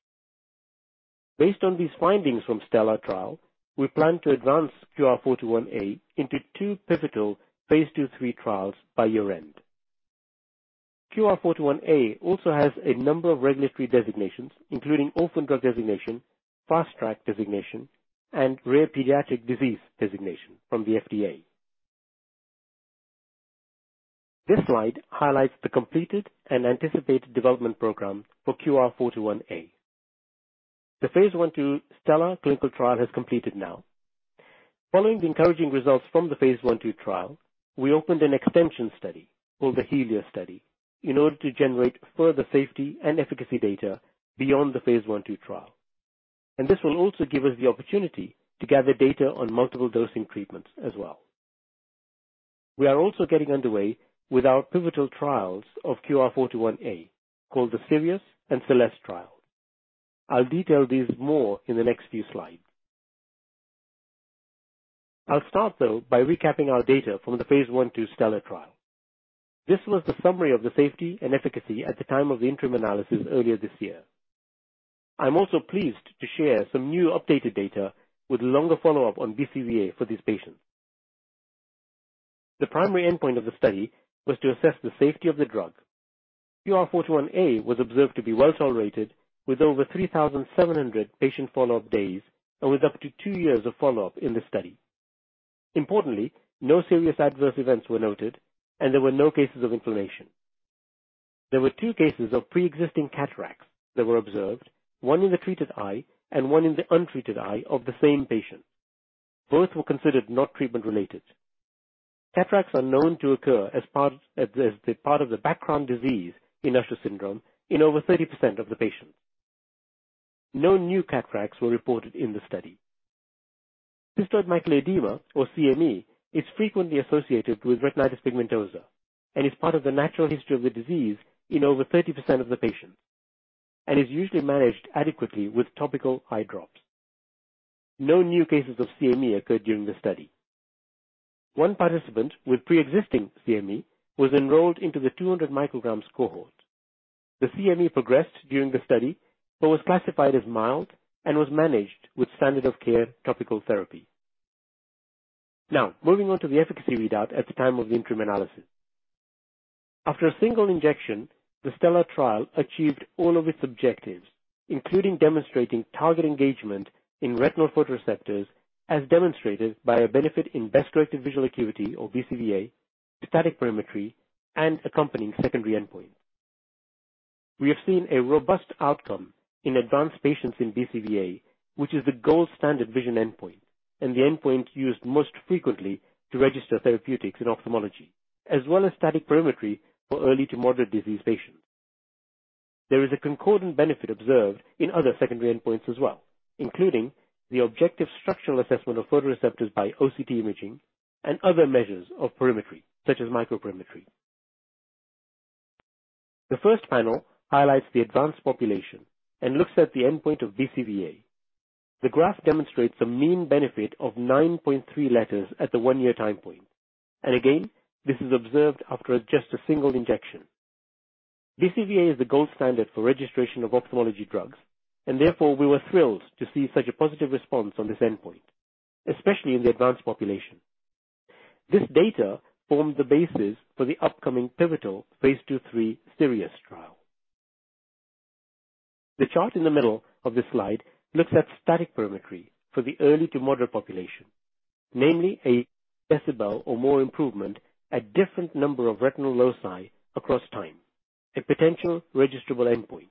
Based on these findings from STELLAR trial, we plan to advance QR-421a into two pivotal phase II/III trials by year-end. QR-421a also has a number of regulatory designations, including Orphan Drug Designation, Fast Track Designation, and Rare Pediatric Disease Designation from the FDA. This slide highlights the completed and anticipated development program for QR-421a. The phase I/II STELLAR clinical trial has completed now. Following the encouraging results from the phase I/II trial, we opened an extension study, called the HELIA study, in order to generate further safety and efficacy data beyond the phase I/II trial. This will also give us the opportunity to gather data on multiple dosing treatments as well. We are also getting underway with our pivotal trials of QR-421a, called the Sirius and Celeste trials. I'll detail these more in the next few slides. I'll start, though, by recapping our data from the phase I/II STELLAR trial. This was the summary of the safety and efficacy at the time of the interim analysis earlier this year. I'm also pleased to share some new updated data with longer follow-up on BCVA for these patients. The primary endpoint of the study was to assess the safety of the drug. QR-421a was observed to be well-tolerated, with over 3,700 patient follow-up days and with up to two years of follow-up in the study. Importantly, no serious adverse events were noted, and there were no cases of inflammation. There were two cases of pre-existing cataracts that were observed, one in the treated eye and one in the untreated eye of the same patient. Both were considered not treatment-related. Cataracts are known to occur as part of the background disease in Usher syndrome in over 30% of the patients. No new cataracts were reported in the study. Cystoid macular edema, or CME, is frequently associated with retinitis pigmentosa and is part of the natural history of the disease in over 30% of the patients and is usually managed adequately with topical eye drops. No new cases of CME occurred during the study. One participant with pre-existing CME was enrolled into the 200 mcg cohort. The CME progressed during the study but was classified as mild and was managed with standard of care topical therapy. Now, moving on to the efficacy readout at the time of the interim analysis. After a single injection, the STELLAR trial achieved all of its objectives, including demonstrating target engagement in retinal photoreceptors, as demonstrated by a benefit in best corrected visual acuity or BCVA, static perimetry, and accompanying secondary endpoints. We have seen a robust outcome in advanced patients in BCVA, which is the gold standard vision endpoint and the endpoint used most frequently to register therapeutics in ophthalmology, as well as static perimetry for early to moderate disease patients. There is a concordant benefit observed in other secondary endpoints as well, including the objective structural assessment of photoreceptors by OCT imaging and other measures of perimetry, such as microperimetry. The first panel highlights the advanced population and looks at the endpoint of BCVA. The graph demonstrates a mean benefit of 9.3 letters at the one-year time point. This is observed after just a single injection. BCVA is the gold standard for registration of ophthalmology drugs, and therefore, we were thrilled to see such a positive response on this endpoint, especially in the advanced population. This data formed the basis for the upcoming pivotal phase II/III Sirius trial. The chart in the middle of this slide looks at static perimetry for the early to moderate population, namely a decibel or more improvement at different number of retinal loci across time, a potential registerable endpoint.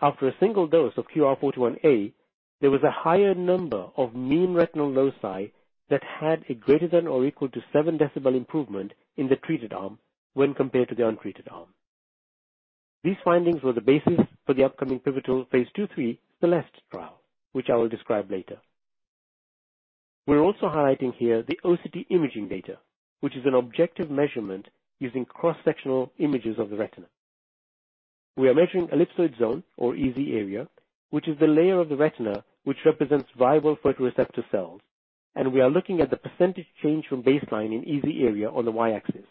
After a single dose of QR-421a, there was a higher number of mean retinal loci that had a greater than or equal to seven decibel improvement in the treated arm when compared to the untreated arm. These findings were the basis for the upcoming pivotal phase II/III Celeste trial, which I will describe later. We're also highlighting here the OCT imaging data, which is an objective measurement using cross-sectional images of the retina. We are measuring Ellipsoid Zone or EZ area, which is the layer of the retina which represents viable photoreceptor cells, and we are looking at the percentage change from baseline in EZ area on the y-axis.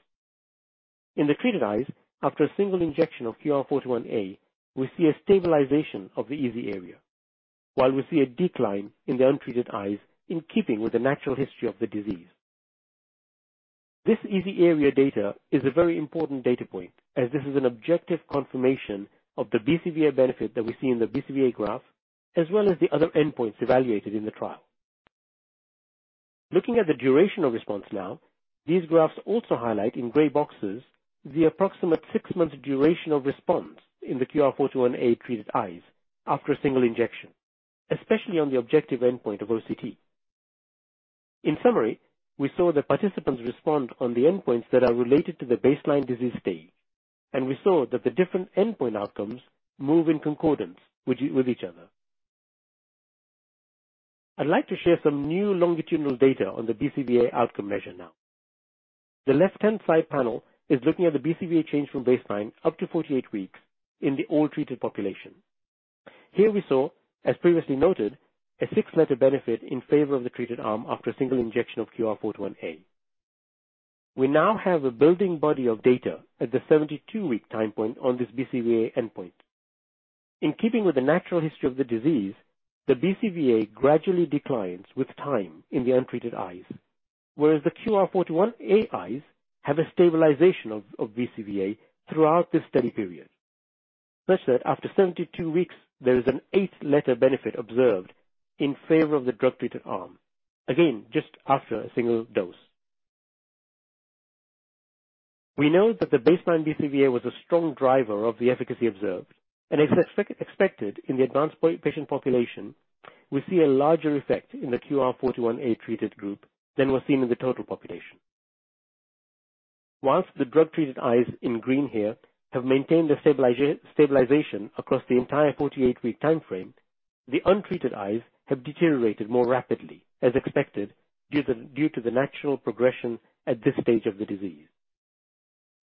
In the treated eyes, after a single injection of QR-421a, we see a stabilization of the EZ area, while we see a decline in the untreated eyes in keeping with the natural history of the disease. This EZ area data is a very important data point as this is an objective confirmation of the BCVA benefit that we see in the BCVA graph, as well as the other endpoints evaluated in the trial. Looking at the durational response now, these graphs also highlight in gray boxes the approximate six-month durational response in the QR-421a treated eyes after a single injection, especially on the objective endpoint of OCT. In summary, we saw the participants respond on the endpoints that are related to the baseline disease state, and we saw that the different endpoint outcomes move in concordance with each other. I'd like to share some new longitudinal data on the BCVA outcome measure now. The left-hand side panel is looking at the BCVA change from baseline up to 48 weeks in the all treated population. Here we saw, as previously noted, a six-letter benefit in favor of the treated arm after a single injection of QR-421a. We now have a building body of data at the 72-week time point on this BCVA endpoint. In keeping with the natural history of the disease, the BCVA gradually declines with time in the untreated eyes. Whereas the QR-421a eyes have a stabilization of BCVA throughout this study period, such that after 72 weeks, there is an eight letter benefit observed in favor of the drug-treated arm. Again, just after a single dose. We know that the baseline BCVA was a strong driver of the efficacy observed, and as expected in the advanced patient population, we see a larger effect in the QR-421a treated group than was seen in the total population. While the drug-treated eyes in green here have maintained a stabilization across the entire 48-week time frame, the untreated eyes have deteriorated more rapidly, as expected, due to the natural progression at this stage of the disease.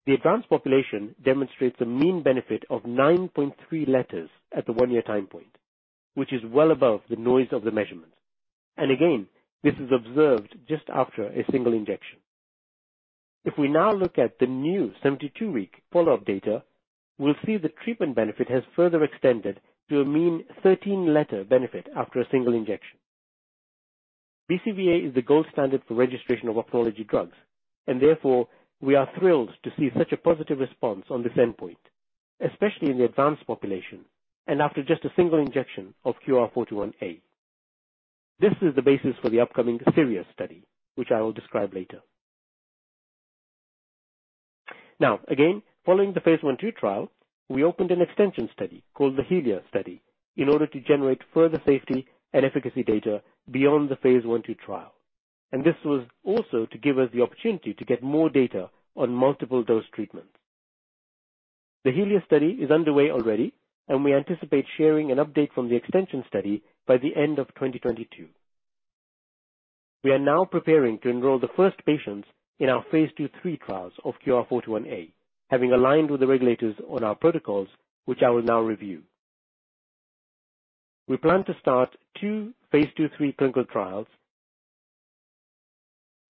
The advanced population demonstrates a mean benefit of 9.3 letters at the one year time point, which is well above the noise of the measurement. Again, this is observed just after a single injection. If we now look at the new 72-week follow-up data, we'll see the treatment benefit has further extended to a mean 13-letter benefit after a single injection. BCVA is the gold standard for registration of ophthalmology drugs, and therefore, we are thrilled to see such a positive response on this endpoint, especially in the advanced population, and after just a single injection of QR-421a. This is the basis for the upcoming Sirius study, which I will describe later. Now, again, following the phase I/II trial, we opened an extension study called the HELIA study in order to generate further safety and efficacy data beyond the phase I/II trial. This was also to give us the opportunity to get more data on multiple dose treatments. The HELIA study is underway already, and we anticipate sharing an update from the extension study by the end of 2022. We are now preparing to enroll the first patients in our phase II/III trials of QR-421a, having aligned with the regulators on our protocols, which I will now review. We plan to start two phase II/III clinical trials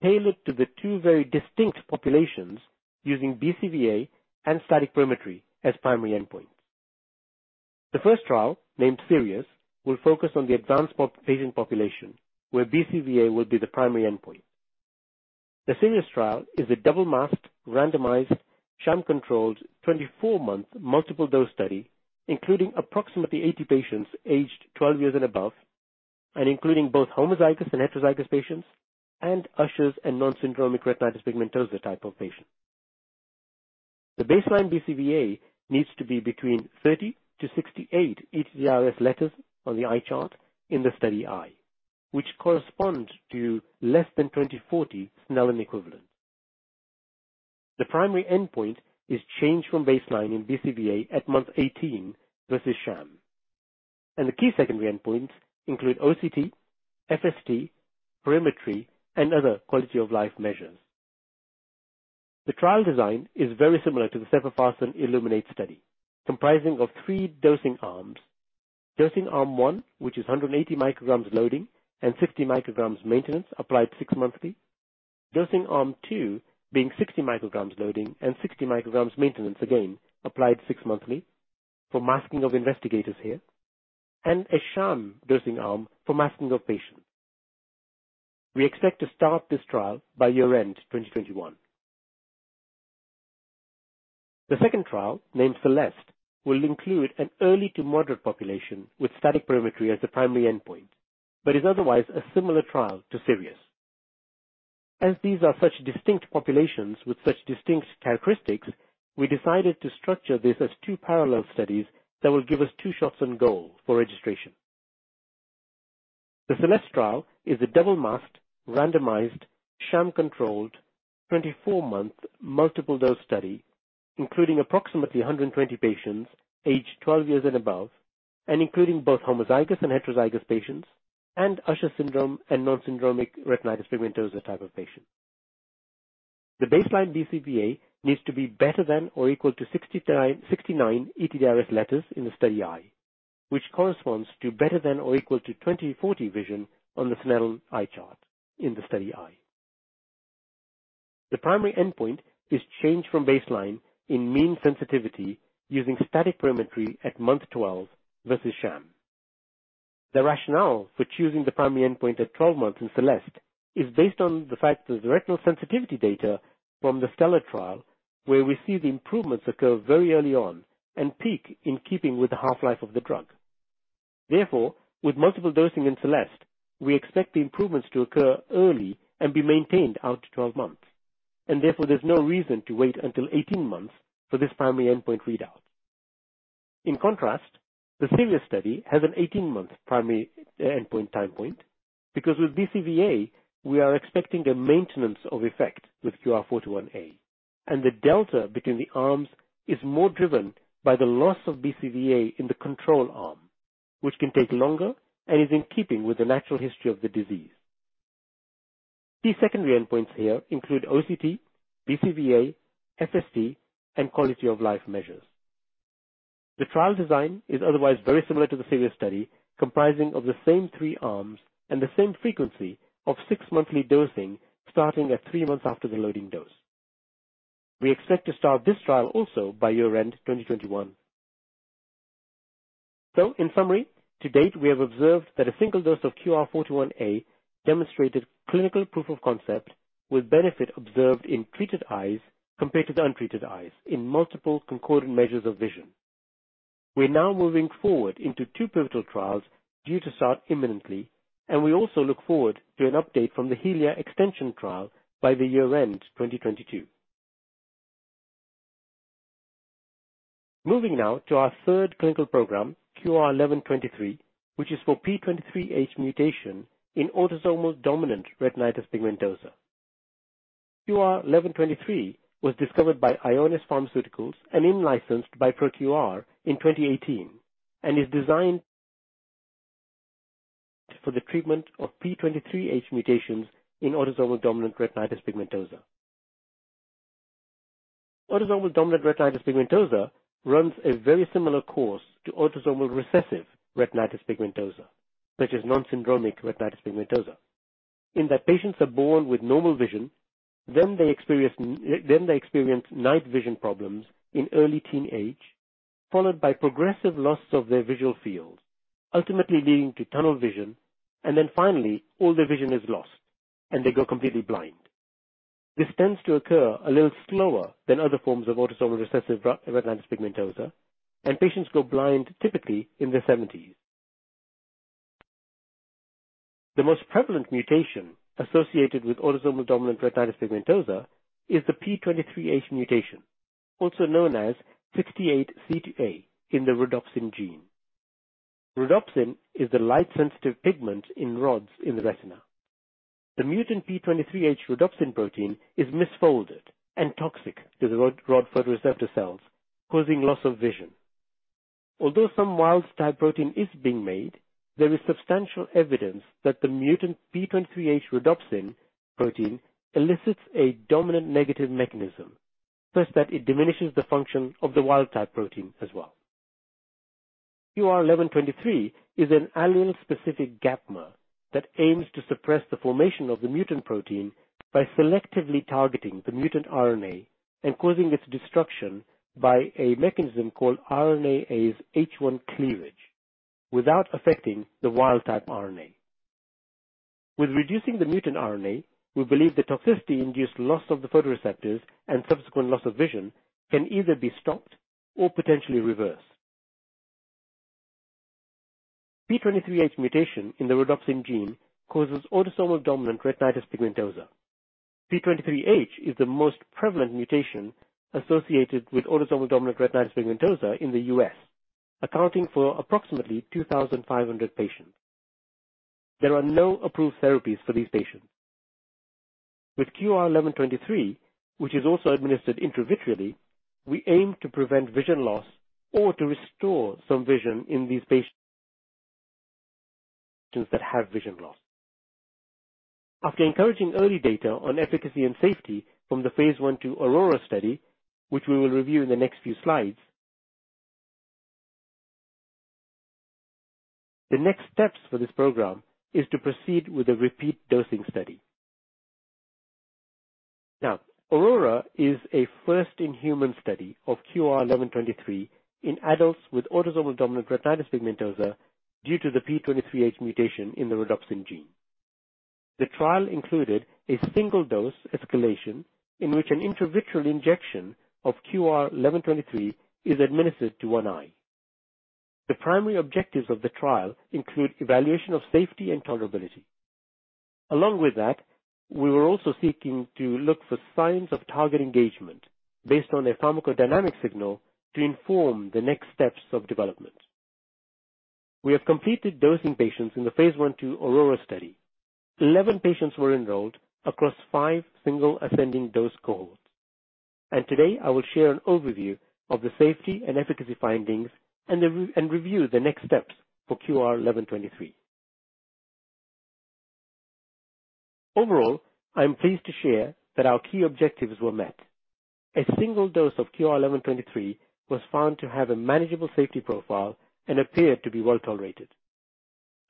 tailored to the two very distinct populations using BCVA and static perimetry as primary endpoints. The first trial, named Sirius, will focus on the advanced patient population, where BCVA will be the primary endpoint. The Sirius trial is a double masked, randomized, sham-controlled 24-month multiple dose study, including approximately 80 patients aged 12 years and above, and including both homozygous and heterozygous patients, and Usher and non-syndromic retinitis pigmentosa type of patients. The baseline BCVA needs to be between 30-68 ETDRS letters on the eye chart in the study eye, which corresponds to less than 20/40 Snellen equivalent. The primary endpoint is change from baseline in BCVA at month 18 versus sham. The key secondary endpoints include OCT, FST, perimetry, and other quality of life measures. The trial design is very similar to the sepofarsen ILLUMINATE study, comprising of three dosing arms. Dosing arm one, which is 180 mcg loading and 50 mcg maintenance applied six-monthly. Dosing arm two being 60 mcg loading and 60 mcg maintenance, again applied six-monthly for masking of investigators here, and a sham dosing arm for masking of patients. We expect to start this trial by year-end 2021. The second trial, named Celeste, will include an early to moderate population with static perimetry as the primary endpoint, but is otherwise a similar trial to Sirius. These are such distinct populations with such distinct characteristics, we decided to structure this as two parallel studies that will give us two shots on goal for registration. The Celeste trial is a double masked, randomized, sham-controlled, 24-month multiple dose study, including approximately 120 patients aged 12 years and above, and including both homozygous and heterozygous patients, and Usher syndrome and non-syndromic retinitis pigmentosa type of patients. The baseline BCVA needs to be better than or equal to 69 ETDRS letters in the study eye, which corresponds to better than or equal to 20/40 vision on the Snellen eye chart in the study eye. The primary endpoint is change from baseline in mean sensitivity using static perimetry at month 12 versus sham. The rationale for choosing the primary endpoint at 12 months in Celeste is based on the fact that the retinal sensitivity data from the STELLAR trial, where we see the improvements occur very early on and peak in keeping with the half-life of the drug. Therefore, with multiple dosing in Celeste, we expect the improvements to occur early and be maintained out to 12 months. Therefore, there's no reason to wait until 18 months for this primary endpoint readout. In contrast, the Sirius study has an 18-month primary endpoint time point because with BCVA we are expecting a maintenance of effect with QR-421a, and the delta between the arms is more driven by the loss of BCVA in the control arm, which can take longer and is in keeping with the natural history of the disease. The secondary endpoints here include OCT, BCVA, FST, and quality of life measures. The trial design is otherwise very similar to the Sirius study, comprising of the same three arms and the same frequency of six monthly dosing starting at three months after the loading dose. We expect to start this trial also by year-end 2021. In summary, to date, we have observed that a single dose of QR-421a demonstrated clinical proof of concept with benefit observed in treated eyes compared to the untreated eyes in multiple concordant measures of vision. We're now moving forward into two pivotal trials due to start imminently, and we also look forward to an update from the HELIA extension trial by year-end 2022. Moving now to our third clinical program, QR-1123, which is for P23H mutation in autosomal dominant retinitis pigmentosa. QR-1123 was discovered by Ionis Pharmaceuticals and in-licensed by ProQR in 2018 and is designed for the treatment of P23H mutations in autosomal dominant retinitis pigmentosa. Autosomal dominant retinitis pigmentosa runs a very similar course to autosomal recessive retinitis pigmentosa, such as non-syndromic retinitis pigmentosa, in that patients are born with normal vision, then they experience night vision problems in early teenage, followed by progressive loss of their visual field, ultimately leading to tunnel vision. Then finally, all their vision is lost, and they go completely blind. This tends to occur a little slower than other forms of autosomal recessive retinitis pigmentosa, and patients go blind, typically in their seventies. The most prevalent mutation associated with autosomal dominant retinitis pigmentosa is the P23H mutation, also known as c.68C>A in the rhodopsin gene. Rhodopsin is the light-sensitive pigment in rods in the retina. The mutant P23H rhodopsin protein is misfolded and toxic to the rod photoreceptor cells, causing loss of vision. Although some wild type protein is being made, there is substantial evidence that the mutant P23H rhodopsin protein elicits a dominant negative mechanism such that it diminishes the function of the wild type protein as well. QR-1123 is an allele-specific gapmer that aims to suppress the formation of the mutant protein by selectively targeting the mutant RNA and causing its destruction by a mechanism called RNase H1 cleavage without affecting the wild type RNA. By reducing the mutant RNA, we believe the toxicity-induced loss of the photoreceptors and subsequent loss of vision can either be stopped or potentially reversed. P23H mutation in the rhodopsin gene causes autosomal dominant retinitis pigmentosa. P23H is the most prevalent mutation associated with autosomal dominant retinitis pigmentosa in the U.S., accounting for approximately 2,500 patients. There are no approved therapies for these patients. With QR-1123, which is also administered intravitreally, we aim to prevent vision loss or to restore some vision in these patients that have vision loss. After encouraging early data on efficacy and safety from the phase I/II Aurora study, which we will review in the next few slides. The next steps for this program is to proceed with a repeat dosing study. Now, Aurora is a first-in-human study of QR-1123 in adults with autosomal dominant retinitis pigmentosa due to the P23H mutation in the rhodopsin gene. The trial included a single dose escalation in which an intravitreal injection of QR-1123 is administered to one eye. The primary objectives of the trial include evaluation of safety and tolerability. Along with that, we were also seeking to look for signs of target engagement based on a pharmacodynamic signal to inform the next steps of development. We have completed dosing patients in the phase I/II Aurora study. 11 patients were enrolled across 5 single ascending dose cohorts. Today, I will share an overview of the safety and efficacy findings and review the next steps for QR-1123. Overall, I am pleased to share that our key objectives were met. A single dose of QR-1123 was found to have a manageable safety profile and appeared to be well-tolerated.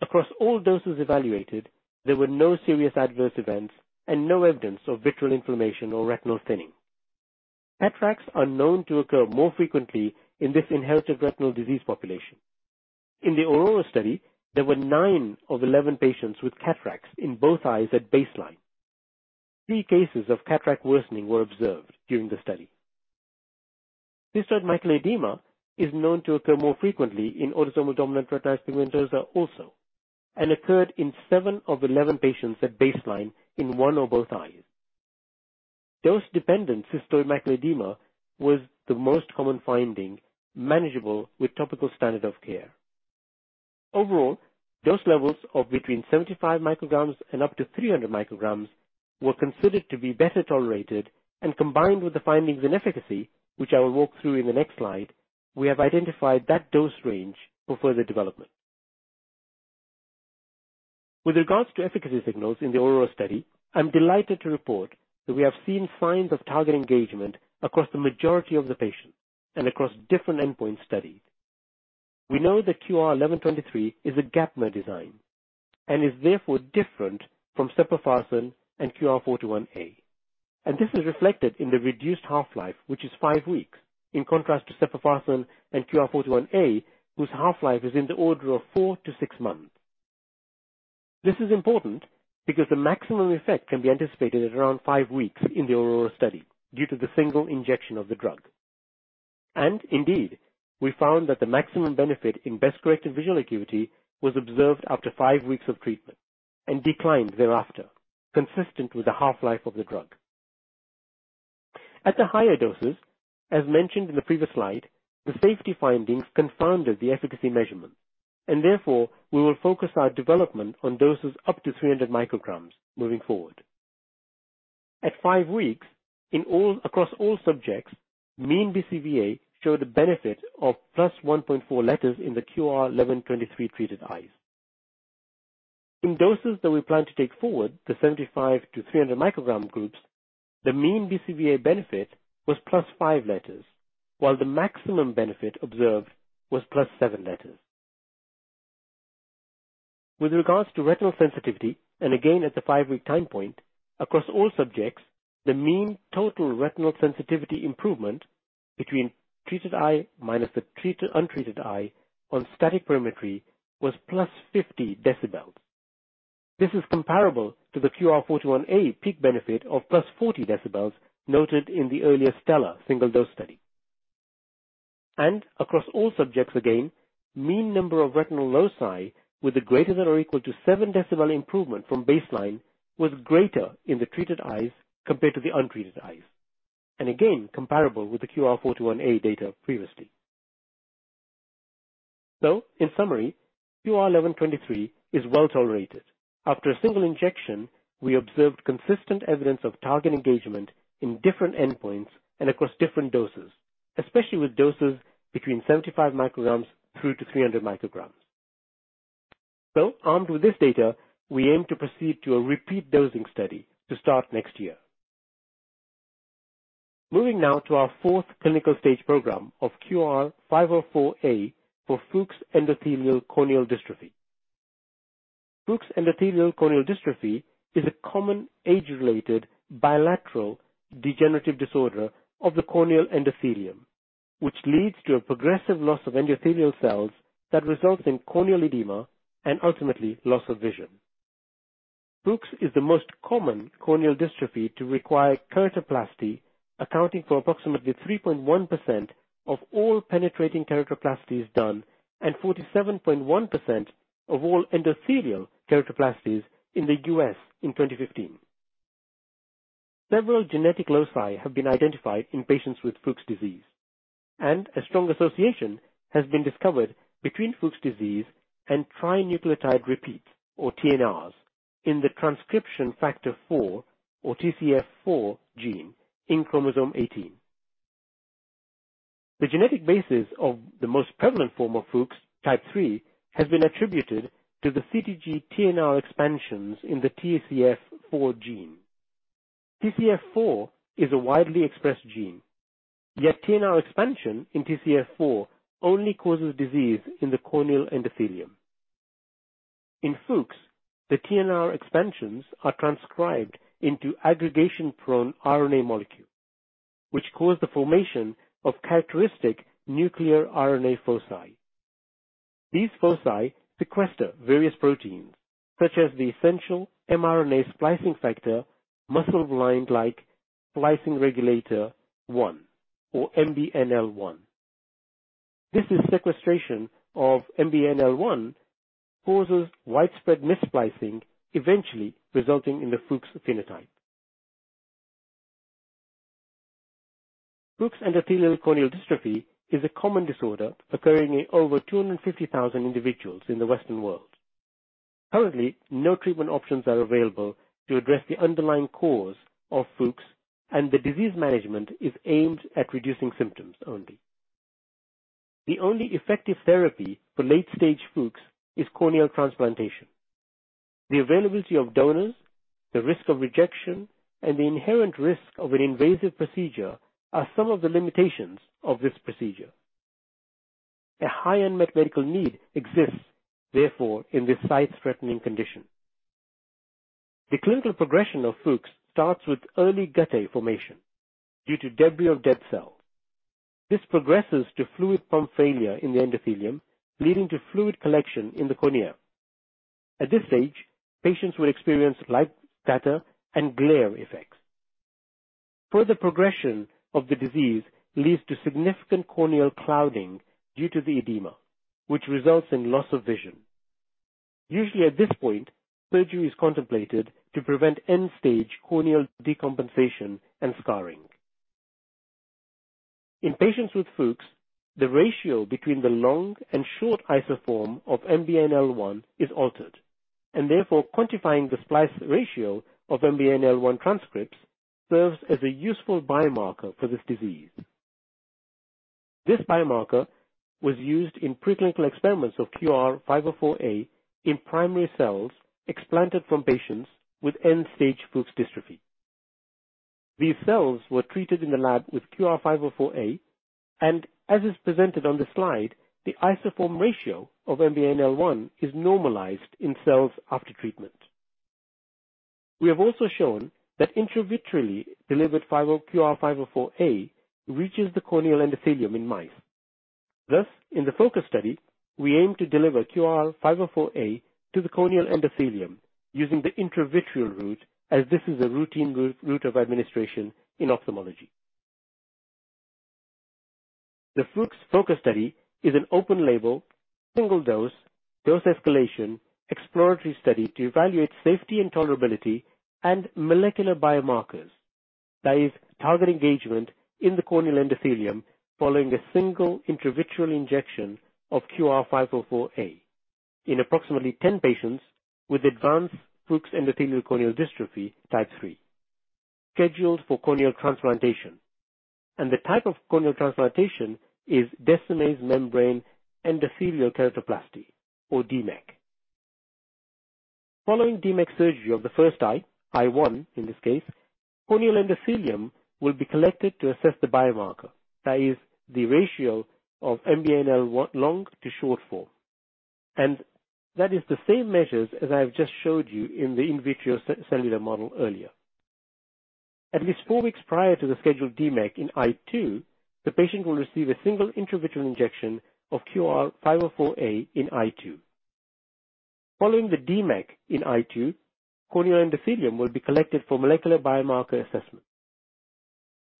Across all doses evaluated, there were no serious adverse events and no evidence of vitreal inflammation or retinal thinning. Cataracts are known to occur more frequently in this inherited retinal disease population. In the Aurora study, there were nine of 11 patients with cataracts in both eyes at baseline. Three cases of cataract worsening were observed during the study. Cystoid macular edema is known to occur more frequently in autosomal dominant retinitis pigmentosa also and occurred in seven of 11 patients at baseline in one or both eyes. Dose-dependent cystoid macular edema was the most common finding, manageable with topical standard of care. Overall, dose levels of between 75 mcg and up to 300 mcg were considered to be better tolerated. Combined with the findings and efficacy, which I will walk through in the next slide, we have identified that dose range for further development. With regards to efficacy signals in the Aurora study, I'm delighted to report that we have seen signs of target engagement across the majority of the patients and across different endpoint studies. We know that QR-1123 is a gapmer design and is therefore different from sepofarsen and QR-421a. This is reflected in the reduced half-life, which is five weeks, in contrast to sepofarsen and QR-421a, whose half-life is in the order of four to six months. This is important because the maximum effect can be anticipated at around 5 weeks in the Aurora study due to the single injection of the drug. Indeed, we found that the maximum benefit in best corrected visual acuity was observed after five weeks of treatment and declined thereafter, consistent with the half-life of the drug. At the higher doses, as mentioned in the previous slide, the safety findings confounded the efficacy measurements, and therefore, we will focus our development on doses up to 300 mcg moving forward. At five weeks, across all subjects, mean BCVA showed a benefit of +1.4 letters in the QR-1123 treated eyes. In doses that we plan to take forward, the 75- to 300 mvg groups, the mean BCVA benefit was +5 letters, while the maximum benefit observed was +7 letters. With regards to retinal sensitivity, again at the five week time point, across all subjects, the mean total retinal sensitivity improvement between treated eye minus the untreated eye on static perimetry was +50 dB. This is comparable to the QR-421a peak benefit of +40 dB noted in the earlier STELLAR single-dose study. Across all subjects again, mean number of retinal loci with a ≥7 dB improvement from baseline was greater in the treated eyes compared to the untreated eyes. Again, comparable with the QR-421a data previously. In summary, QR-1123 is well-tolerated. After a single injection, we observed consistent evidence of target engagement in different endpoints and across different doses, especially with doses between 75 mcg through to 300 mcg. Armed with this data, we aim to proceed to a repeat dosing study to start next year. Moving now to our fourth clinical stage program of QR-504a for Fuchs' endothelial corneal dystrophy. Fuchs' endothelial corneal dystrophy is a common age-related bilateral degenerative disorder of the corneal endothelium, which leads to a progressive loss of endothelial cells that results in corneal edema and ultimately loss of vision. Fuchs' is the most common corneal dystrophy to require keratoplasty, accounting for approximately 3.1% of all penetrating keratoplasties done and 47.1% of all endothelial keratoplasties in the U.S. in 2015. Several genetic loci have been identified in patients with Fuchs' disease, and a strong association has been discovered between Fuchs' disease and trinucleotide repeats, or TNRs, in the transcription factor four or TCF4 gene in chromosome 18. The genetic basis of the most prevalent form of Fuchs' type 3 has been attributed to the CTG TNR expansions in the TCF4 gene. TCF4 is a widely expressed gene, yet TNR expansion in TCF4 only causes disease in the corneal endothelium. In Fuchs, the TNR expansions are transcribed into aggregation-prone RNA molecule, which cause the formation of characteristic nuclear RNA foci. These foci sequester various proteins, such as the essential mRNA splicing factor muscle blind-like splicing regulator one, or MBNL1. This sequestration of MBNL1 causes widespread mis-splicing, eventually resulting in the Fuchs phenotype. Fuchs' endothelial corneal dystrophy is a common disorder occurring in over 250,000 individuals in the Western world. Currently, no treatment options are available to address the underlying cause of Fuchs, and the disease management is aimed at reducing symptoms only. The only effective therapy for late-stage Fuchs is corneal transplantation. The availability of donors, the risk of rejection, and the inherent risk of an invasive procedure are some of the limitations of this procedure. A high unmet medical need exists, therefore, in this sight-threatening condition. The clinical progression of Fuchs' starts with early guttae formation due to debris of dead cells. This progresses to fluid pump failure in the endothelium, leading to fluid collection in the cornea. At this stage, patients will experience light scatter and glare effects. Further progression of the disease leads to significant corneal clouding due to the edema, which results in loss of vision. Usually at this point, surgery is contemplated to prevent end-stage corneal decompensation and scarring. In patients with Fuchs', the ratio between the long and short isoform of MBNL1 is altered, and therefore quantifying the splice ratio of MBNL1 transcripts serves as a useful biomarker for this disease. This biomarker was used in preclinical experiments of QR-504a in primary cells explanted from patients with end-stage Fuchs' dystrophy. These cells were treated in the lab with QR-504a, and as is presented on the slide, the isoform ratio of MBNL1 is normalized in cells after treatment. We have also shown that intravitreally delivered QR-504a reaches the corneal endothelium in mice. Thus, in the Focus study, we aim to deliver QR-504a to the corneal endothelium using the intravitreal route, as this is a routine route of administration in ophthalmology. The Fuchs Focus study is an open-label, single-dose, dose-escalation exploratory study to evaluate safety and tolerability and molecular biomarkers, that is, target engagement in the corneal endothelium following a single intravitreal injection of QR-504a in approximately 10 patients with advanced Fuchs' endothelial corneal dystrophy Type 3, scheduled for corneal transplantation. The type of corneal transplantation is Descemet's membrane endothelial keratoplasty, or DMEK. Following DMEK surgery of the first eye one in this case, corneal endothelium will be collected to assess the biomarker, that is, the ratio of MBNL1 long to short form. That is the same measures as I have just showed you in the in vitro cellular model earlier. At least four weeks prior to the scheduled DMEK in eye two, the patient will receive a single intravitreal injection of QR-504a in eye two. Following the DMEK in eye two, corneal endothelium will be collected for molecular biomarker assessment.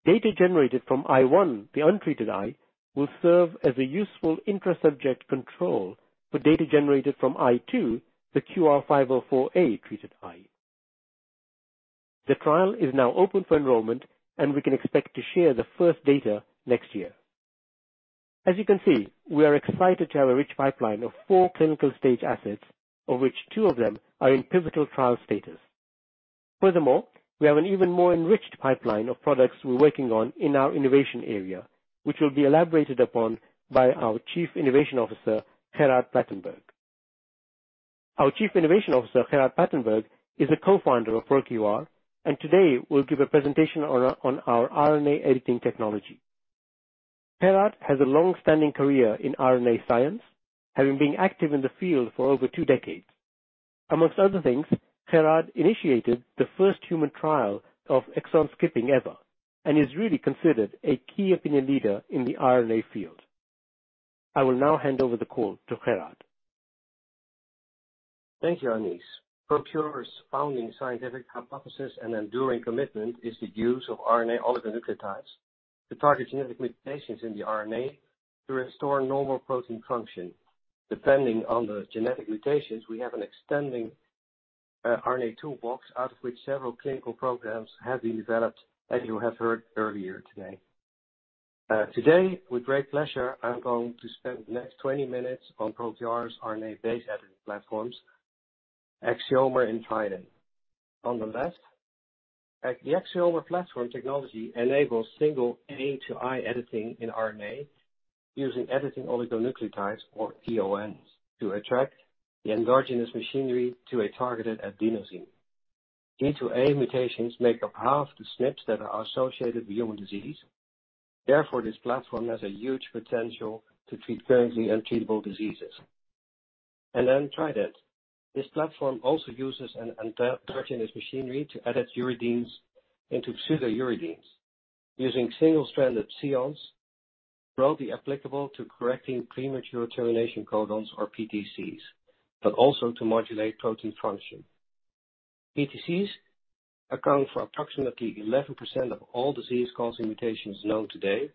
Data generated from eye one, the untreated eye, will serve as a useful intra-subject control for data generated from eye two, the QR-504a treated eye. The trial is now open for enrollment, and we can expect to share the first data next year. As you can see, we are excited to have a rich pipeline of four clinical-stage assets, of which two of them are in pivotal trial status. Furthermore, we have an even more enriched pipeline of products we're working on in our innovation area, which will be elaborated upon by our Chief Innovation Officer, Gerard Platenburg. Our Chief Innovation Officer, Gerard Platenburg, is a Co-Founder of ProQR, and today will give a presentation on our RNA editing technology. Gerard has a long-standing career in RNA science, having been active in the field for over two decades. Among other things, Gerard initiated the first human trial of exon skipping ever and is really considered a key opinion leader in the RNA field. I will now hand over the call to Gerard. Thank you, Aniz. ProQR's founding scientific hypothesis and enduring commitment is the use of RNA oligonucleotides to target genetic mutations in the RNA to restore normal protein function. Depending on the genetic mutations, we have an extending RNA toolbox out of which several clinical programs have been developed, as you have heard earlier today. Today, with great pleasure, I'm going to spend the next 20 minutes on ProQR's RNA-based editing platforms, Axiomer and Trident. On the left, the Axiomer platform technology enables single A-to-I editing in RNA using editing oligonucleotides or EONs to attract the endogenous machinery to a targeted adenosine. A-to-G mutations make up half the SNPs that are associated with human disease. Therefore, this platform has a huge potential to treat currently untreatable diseases. Then Trident. This platform also uses an endogenous machinery to edit uridines into pseudouridines. Using single-stranded EONs will be applicable to correcting premature termination codons or PTCs, but also to modulate protein function. PTCs account for approximately 11% of all disease-causing mutations known today,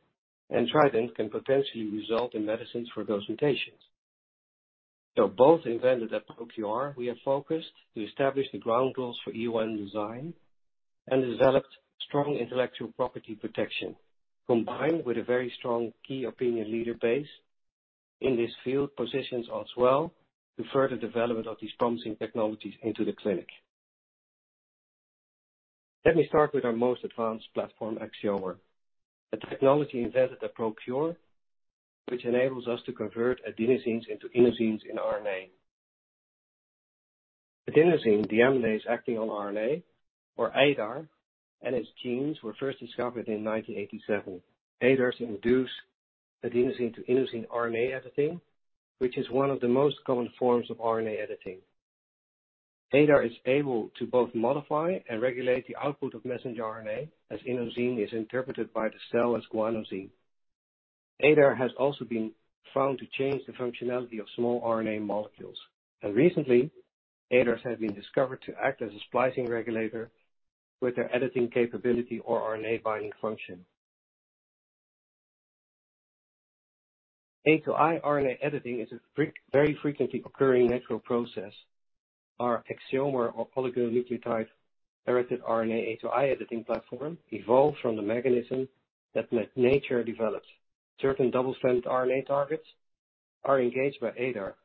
and Trident can potentially result in medicines for those mutations. They're both invented at ProQR. We are focused to establish the ground rules for EON design and developed strong intellectual property protection, combined with a very strong key opinion leader base in this field, positions us well to further development of these promising technologies into the clinic. Let me start with our most advanced platform, Axiomer, a technology invented at ProQR, which enables us to convert adenosines into inosines in RNA. Adenosine deaminase acting on RNA or ADAR, and its genes were first discovered in 1987. ADARs induce adenosine to inosine RNA editing, which is one of the most common forms of RNA editing. ADAR is able to both modify and regulate the output of messenger RNA as inosine is interpreted by the cell as guanosine. ADAR has also been found to change the functionality of small RNA molecules. Recently, ADARs have been discovered to act as a splicing regulator with their editing capability or RNA binding function. A-to-I RNA editing is a very frequently occurring natural process. Our Axiomer or oligonucleotide-directed RNA A-to-I editing platform evolved from the mechanism that nature developed. Certain double-strand RNA targets are engaged by ADAR,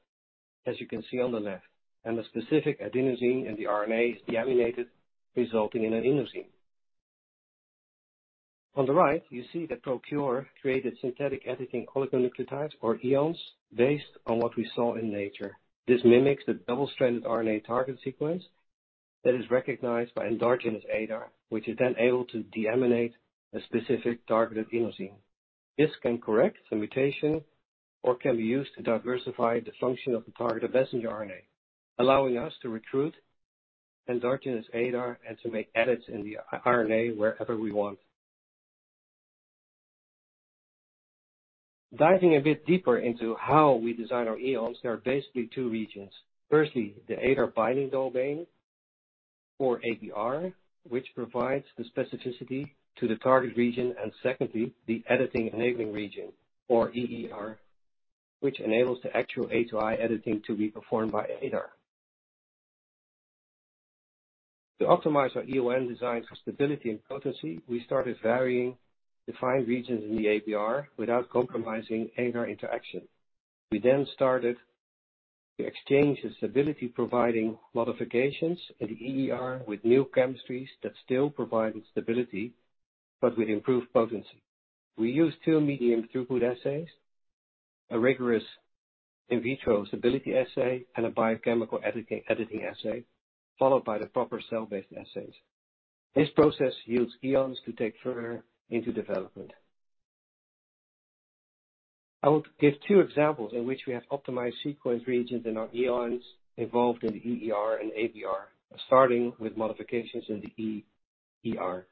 as you can see on the left, and the specific adenosine in the RNA is deaminated, resulting in an inosine. On the right, you see that ProQR created synthetic editing oligonucleotides or EONs based on what we saw in nature. This mimics the double-stranded RNA target sequence that is recognized by endogenous ADAR, which is then able to deaminate a specific targeted adenosine. This can correct the mutation or can be used to diversify the function of the target of messenger RNA, allowing us to recruit endogenous ADAR and to make edits in the mRNA wherever we want. Diving a bit deeper into how we design our EONs, there are basically two regions. Firstly, the ADAR binding domain or ABR, which provides the specificity to the target region, and secondly, the editing enabling region, or EER, which enables the actual A-to-I editing to be performed by ADAR. To optimize our EON design for stability and potency, we started varying defined regions in the ABR without compromising ADAR interaction. We then started to exchange the stability-providing modifications in the EER with new chemistries that still provided stability, but with improved potency. We used two medium throughput assays, a rigorous in vitro stability assay, and a biochemical editing assay, followed by the proper cell-based assays. This process yields EONs to take further into development. I want to give two examples in which we have optimized sequence regions in our EONs involved in the EER and ABR, starting with modifications in the EER.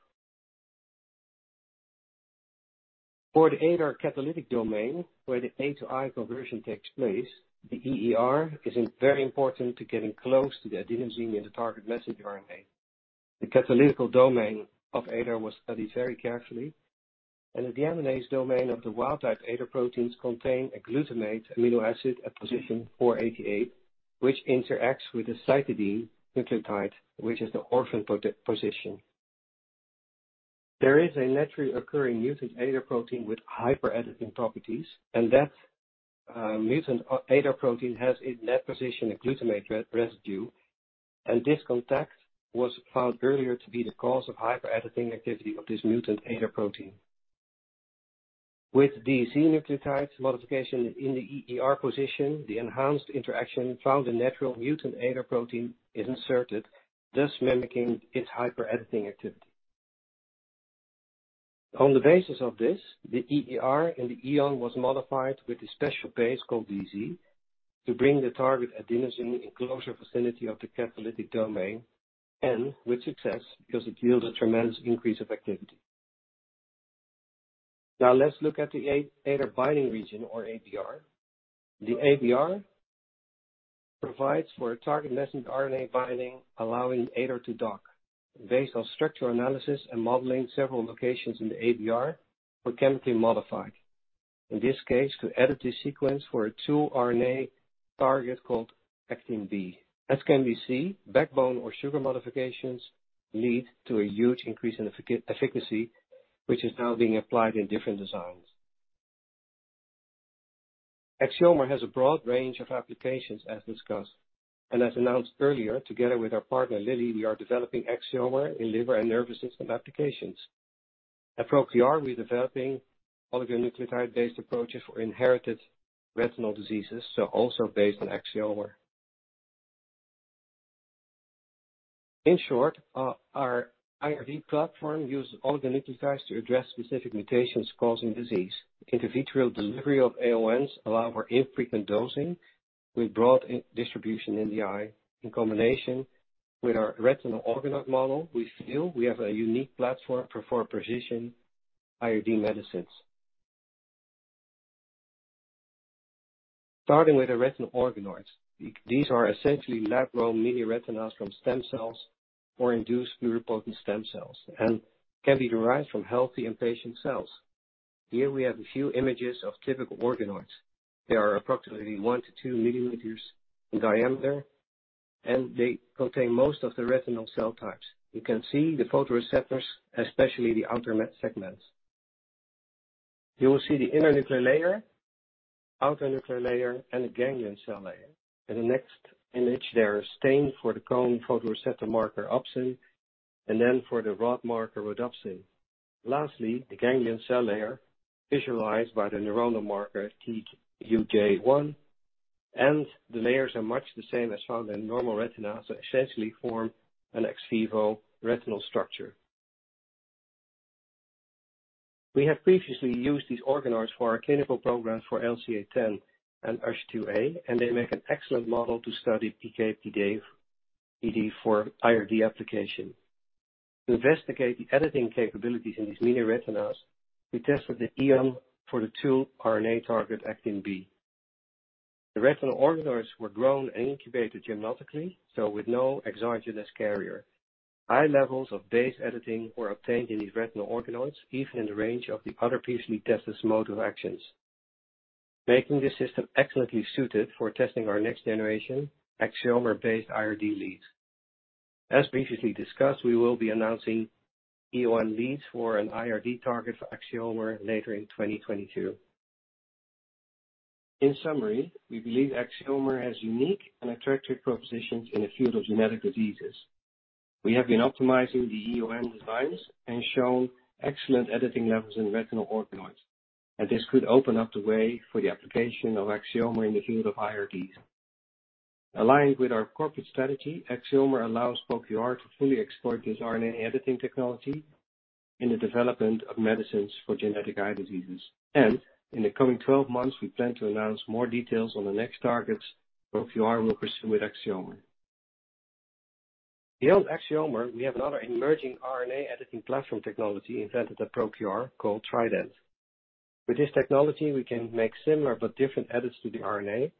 For the ADAR catalytic domain, where the A-to-I conversion takes place, the EER is very important to getting close to the adenosine in the target messenger RNA. The catalytic domain of ADAR was studied very carefully, and the deaminase domain of the wild-type ADAR proteins contain a glutamate amino acid at position 488, which interacts with the cytidine nucleotide, which is the orphan position. There is a naturally occurring mutant ADAR protein with hyper editing properties, and that, mutant ADAR protein has in that position a glutamate residue, and this contact was found earlier to be the cause of hyper editing activity of this mutant ADAR protein. With the C-nucleotide modification in the EER position, the enhanced interaction found in natural mutant ADAR protein is inserted, thus mimicking its hyper editing activity. On the basis of this, the EER in the EON was modified with a special base called dC to bring the target adenosine in closer vicinity of the catalytic domain, and with success, because it yields a tremendous increase of activity. Now let's look at the ADAR binding region or ABR. The ABR provides for a target messenger RNA binding, allowing ADAR to dock. Based on structural analysis and modeling, several locations in the ABR were chemically modified. In this case, to edit the sequence for two RNA target called Actin B. As can be seen, backbone or sugar modifications lead to a huge increase in efficacy, which is now being applied in different designs. Axiomer has a broad range of applications as discussed. As announced earlier, together with our partner, Lilly, we are developing Axiomer in liver and nervous system applications. At ProQR, we're developing oligonucleotide-based approaches for inherited retinal diseases, so also based on Axiomer. In short, our IRD platform uses oligonucleotides to address specific mutations causing disease. Intravitreal delivery of AONs allows for infrequent dosing with broad distribution in the eye. In combination with our retinal organoid model, we feel we have a unique platform for precision IRD medicines. Starting with the retinal organoids. These are essentially lab-grown mini retinas from stem cells or induced pluripotent stem cells, and can be derived from healthy and patient cells. Here we have a few images of typical organoids. They are approximately 1 mm-2 mm in diameter, and they contain most of the retinal cell types. You can see the photoreceptors, especially the outer segments. You will see the inner nuclear layer, outer nuclear layer, and the ganglion cell layer. In the next image, they are stained for the cone photoreceptor marker opsin, and then for the rod marker rhodopsin. Lastly, the ganglion cell layer visualized by the neuronal marker The layers are much the same as found in normal retina, so essentially form an ex vivo retinal structure. We have previously used these organoids for our clinical programs for LCA10 and USH2A, and they make an excellent model to study PK/PD for IRD application. To investigate the editing capabilities in these mini retinas, we tested the EON for the two RNA target ACTB. The retinal organoids were grown and incubated gymnotically, so with no exogenous carrier. High levels of base editing were obtained in these retinal organoids, even in the range of the other previously tested mode of actions, making this system excellently suited for testing our next generation Axiomer-based IRD leads. As previously discussed, we will be announcing EON leads for an IRD target for Axiomer later in 2022. In summary, we believe Axiomer has unique and attractive propositions in the field of genetic diseases. We have been optimizing the EON designs and shown excellent editing levels in retinal organoids, and this could open up the way for the application of Axiomer in the field of IRDs. Aligned with our corporate strategy, Axiomer allows ProQR to fully exploit this RNA editing technology in the development of medicines for genetic eye diseases. In the coming 12 months, we plan to announce more details on the next targets ProQR will pursue with Axiomer. Beyond Axiomer, we have another emerging RNA-editing platform technology invented at ProQR called Trident. With this technology, we can make similar but different edits to the RNA,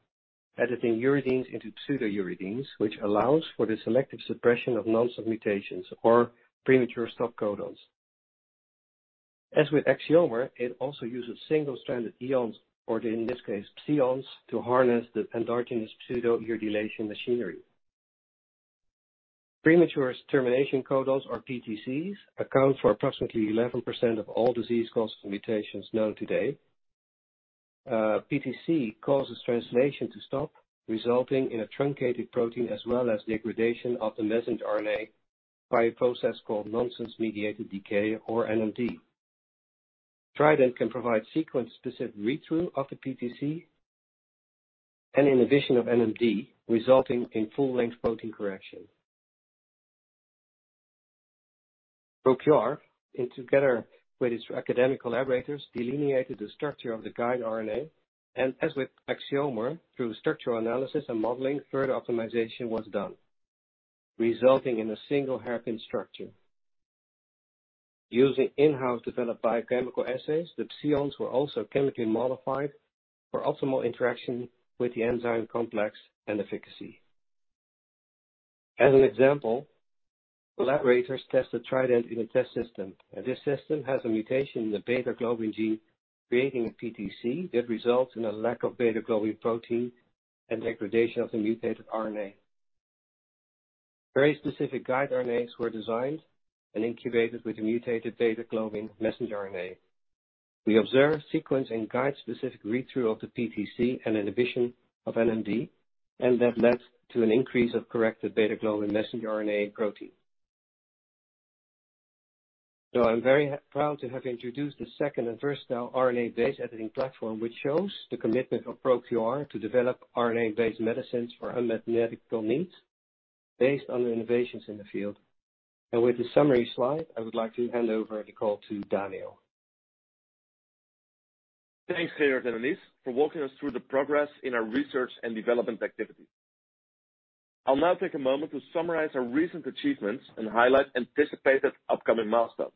editing uridine into pseudouridine, which allows for the selective suppression of nonsense mutations or premature stop codons. As with Axiomer, it also uses single-stranded EONs, or in this case, psions, to harness the endogenous pseudouridylation machinery. Premature termination codons, or PTCs, account for approximately 11% of all disease-causing mutations known today. PTC causes translation to stop, resulting in a truncated protein as well as degradation of the messenger RNA by a process called nonsense-mediated decay, or NMD. Trident can provide sequence-specific read-through of the PTC and inhibition of NMD, resulting in full-length protein correction. ProQR and together with its academic collaborators, delineated the structure of the guide RNA. As with Axiomer, through structural analysis and modeling, further optimization was done, resulting in a single hairpin structure. Using in-house developed biochemical assays, the ψ-ONs were also chemically modified for optimal interaction with the enzyme complex and efficacy. As an example, collaborators tested Trident in a test system, and this system has a mutation in the beta-globin gene, creating a PTC that results in a lack of beta-globin protein and degradation of the mutated RNA. Very specific guide RNAs were designed and incubated with the mutated beta-globin messenger RNA. We observed sequence and guide-specific read-through of the PTC and inhibition of NMD, and that led to an increase of corrected beta-globin messenger RNA and protein. I'm very proud to have introduced the first and now the second RNA-based editing platform, which shows the commitment of ProQR to develop RNA-based medicines for unmet medical needs based on the innovations in the field. With the summary slide, I would like to hand over the call to Daniel. Thanks, Gerard and Aniz, for walking us through the progress in our Research and Development activities. I'll now take a moment to summarize our recent achievements and highlight anticipated upcoming milestones.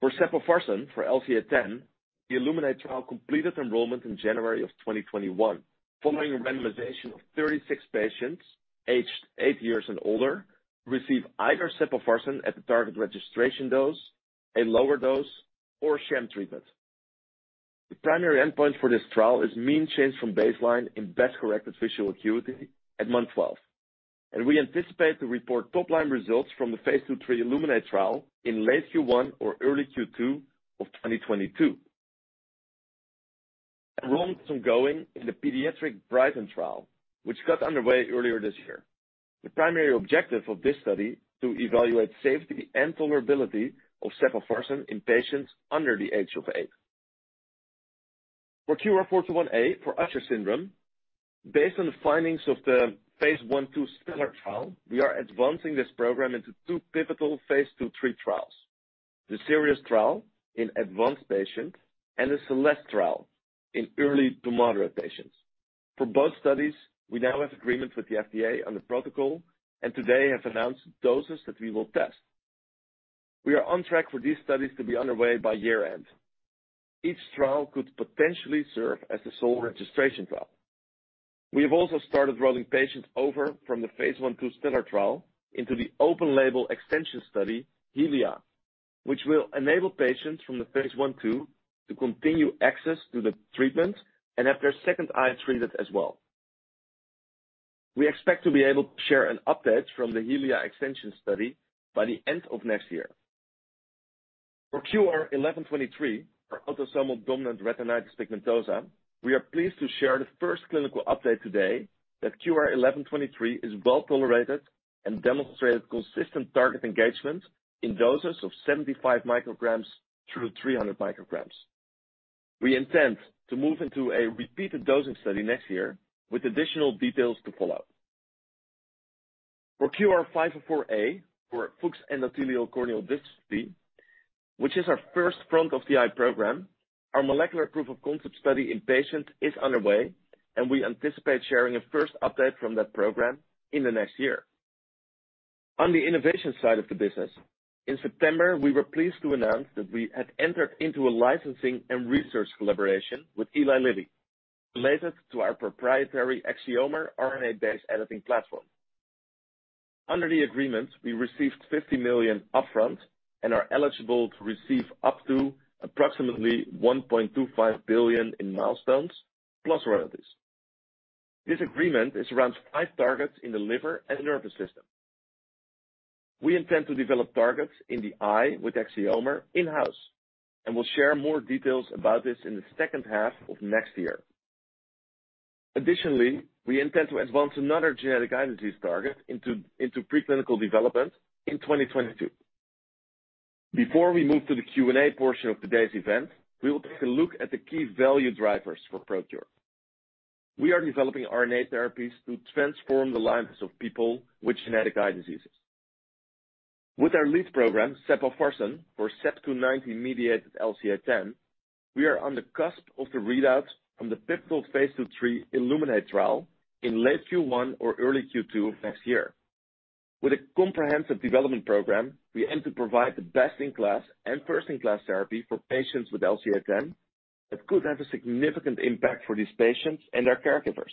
For sepofarsen, for LCA10, the ILLUMINATE trial completed enrollment in January of 2021, following a randomization of 36 patients aged eight years and older to receive either sepofarsen at the target registration dose, a lower dose, or sham treatment. The primary endpoint for this trial is mean change from baseline in best-corrected visual acuity at month 12. We anticipate to report top-line results from the phase II/III ILLUMINATE trial in late Q1 or early Q2 of 2022. Enrollment is ongoing in the pediatric BRIGHTEN trial, which got underway earlier this year. The primary objective of this study is to evaluate safety and tolerability of sepofarsen in patients under the age of eight. For QR-421a for Usher syndrome, based on the findings of the phase I/II STELLAR trial, we are advancing this program into two pivotal phase II/III trials, the Sirius trial in advanced patients and the Celeste trial in early to moderate patients. For both studies, we now have agreement with the FDA on the protocol, and today have announced doses that we will test. We are on track for these studies to be underway by year-end. Each trial could potentially serve as the sole registration trial. We have also started rolling patients over from the phase I/II STELLAR trial into the open-label extension study, HELIA, which will enable patients from the phase I/II to continue access to the treatment and have their second eye treated as well. We expect to be able to share an update from the HELIA extension study by the end of next year. For QR-1123, for autosomal dominant retinitis pigmentosa, we are pleased to share the first clinical update today that QR-1123 is well-tolerated and demonstrated consistent target engagement in doses of 75 mcg through 300 mcg. We intend to move into a repeated dosing study next year with additional details to follow. For QR-504a, for Fuchs' endothelial corneal dystrophy, which is our first front-of-the-eye program, our molecular proof of concept study in patients is underway, and we anticipate sharing a first update from that program in the next year. On the innovation side of the business, in September, we were pleased to announce that we had entered into a licensing and research collaboration with Eli Lilly related to our proprietary Axiomer RNA-based editing platform. Under the agreement, we received $50 million upfront and are eligible to receive up to approximately $1.25 billion in milestones plus royalties. This agreement is around five targets in the liver and nervous system. We intend to develop targets in the eye with Axiomer in-house, and we'll share more details about this in the second half of next year. Additionally, we intend to advance another genetic eye disease target into preclinical development in 2022. Before we move to the Q&A portion of today's event, we will take a look at the key value drivers for ProQR. We are developing RNA therapies to transform the lives of people with genetic eye diseases. With our lead program, sepofarsen, for CEP290-mediated LCA10, we are on the cusp of the readout from the pivotal phase II/III ILLUMINATE trial in late Q1 or early Q2 of next year. With a comprehensive development program, we aim to provide the best-in-class and first-in-class therapy for patients with LCA-10 that could have a significant impact for these patients and their caregivers,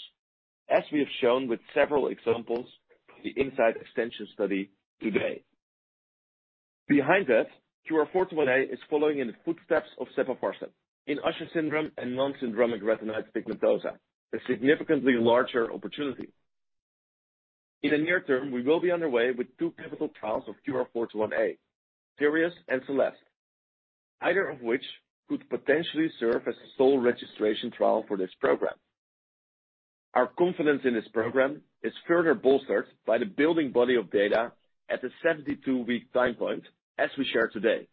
as we have shown with several examples from the InSight extension study to date. Behind that, QR-421a is following in the footsteps of sepofarsen in Usher syndrome and non-syndromic retinitis pigmentosa, a significantly larger opportunity. In the near term, we will be underway with two pivotal trials of QR-421a, Sirius and Celeste, either of which could potentially serve as the sole registration trial for this program. Our confidence in this program is further bolstered by the building body of data at the 72-week time point, as we share today.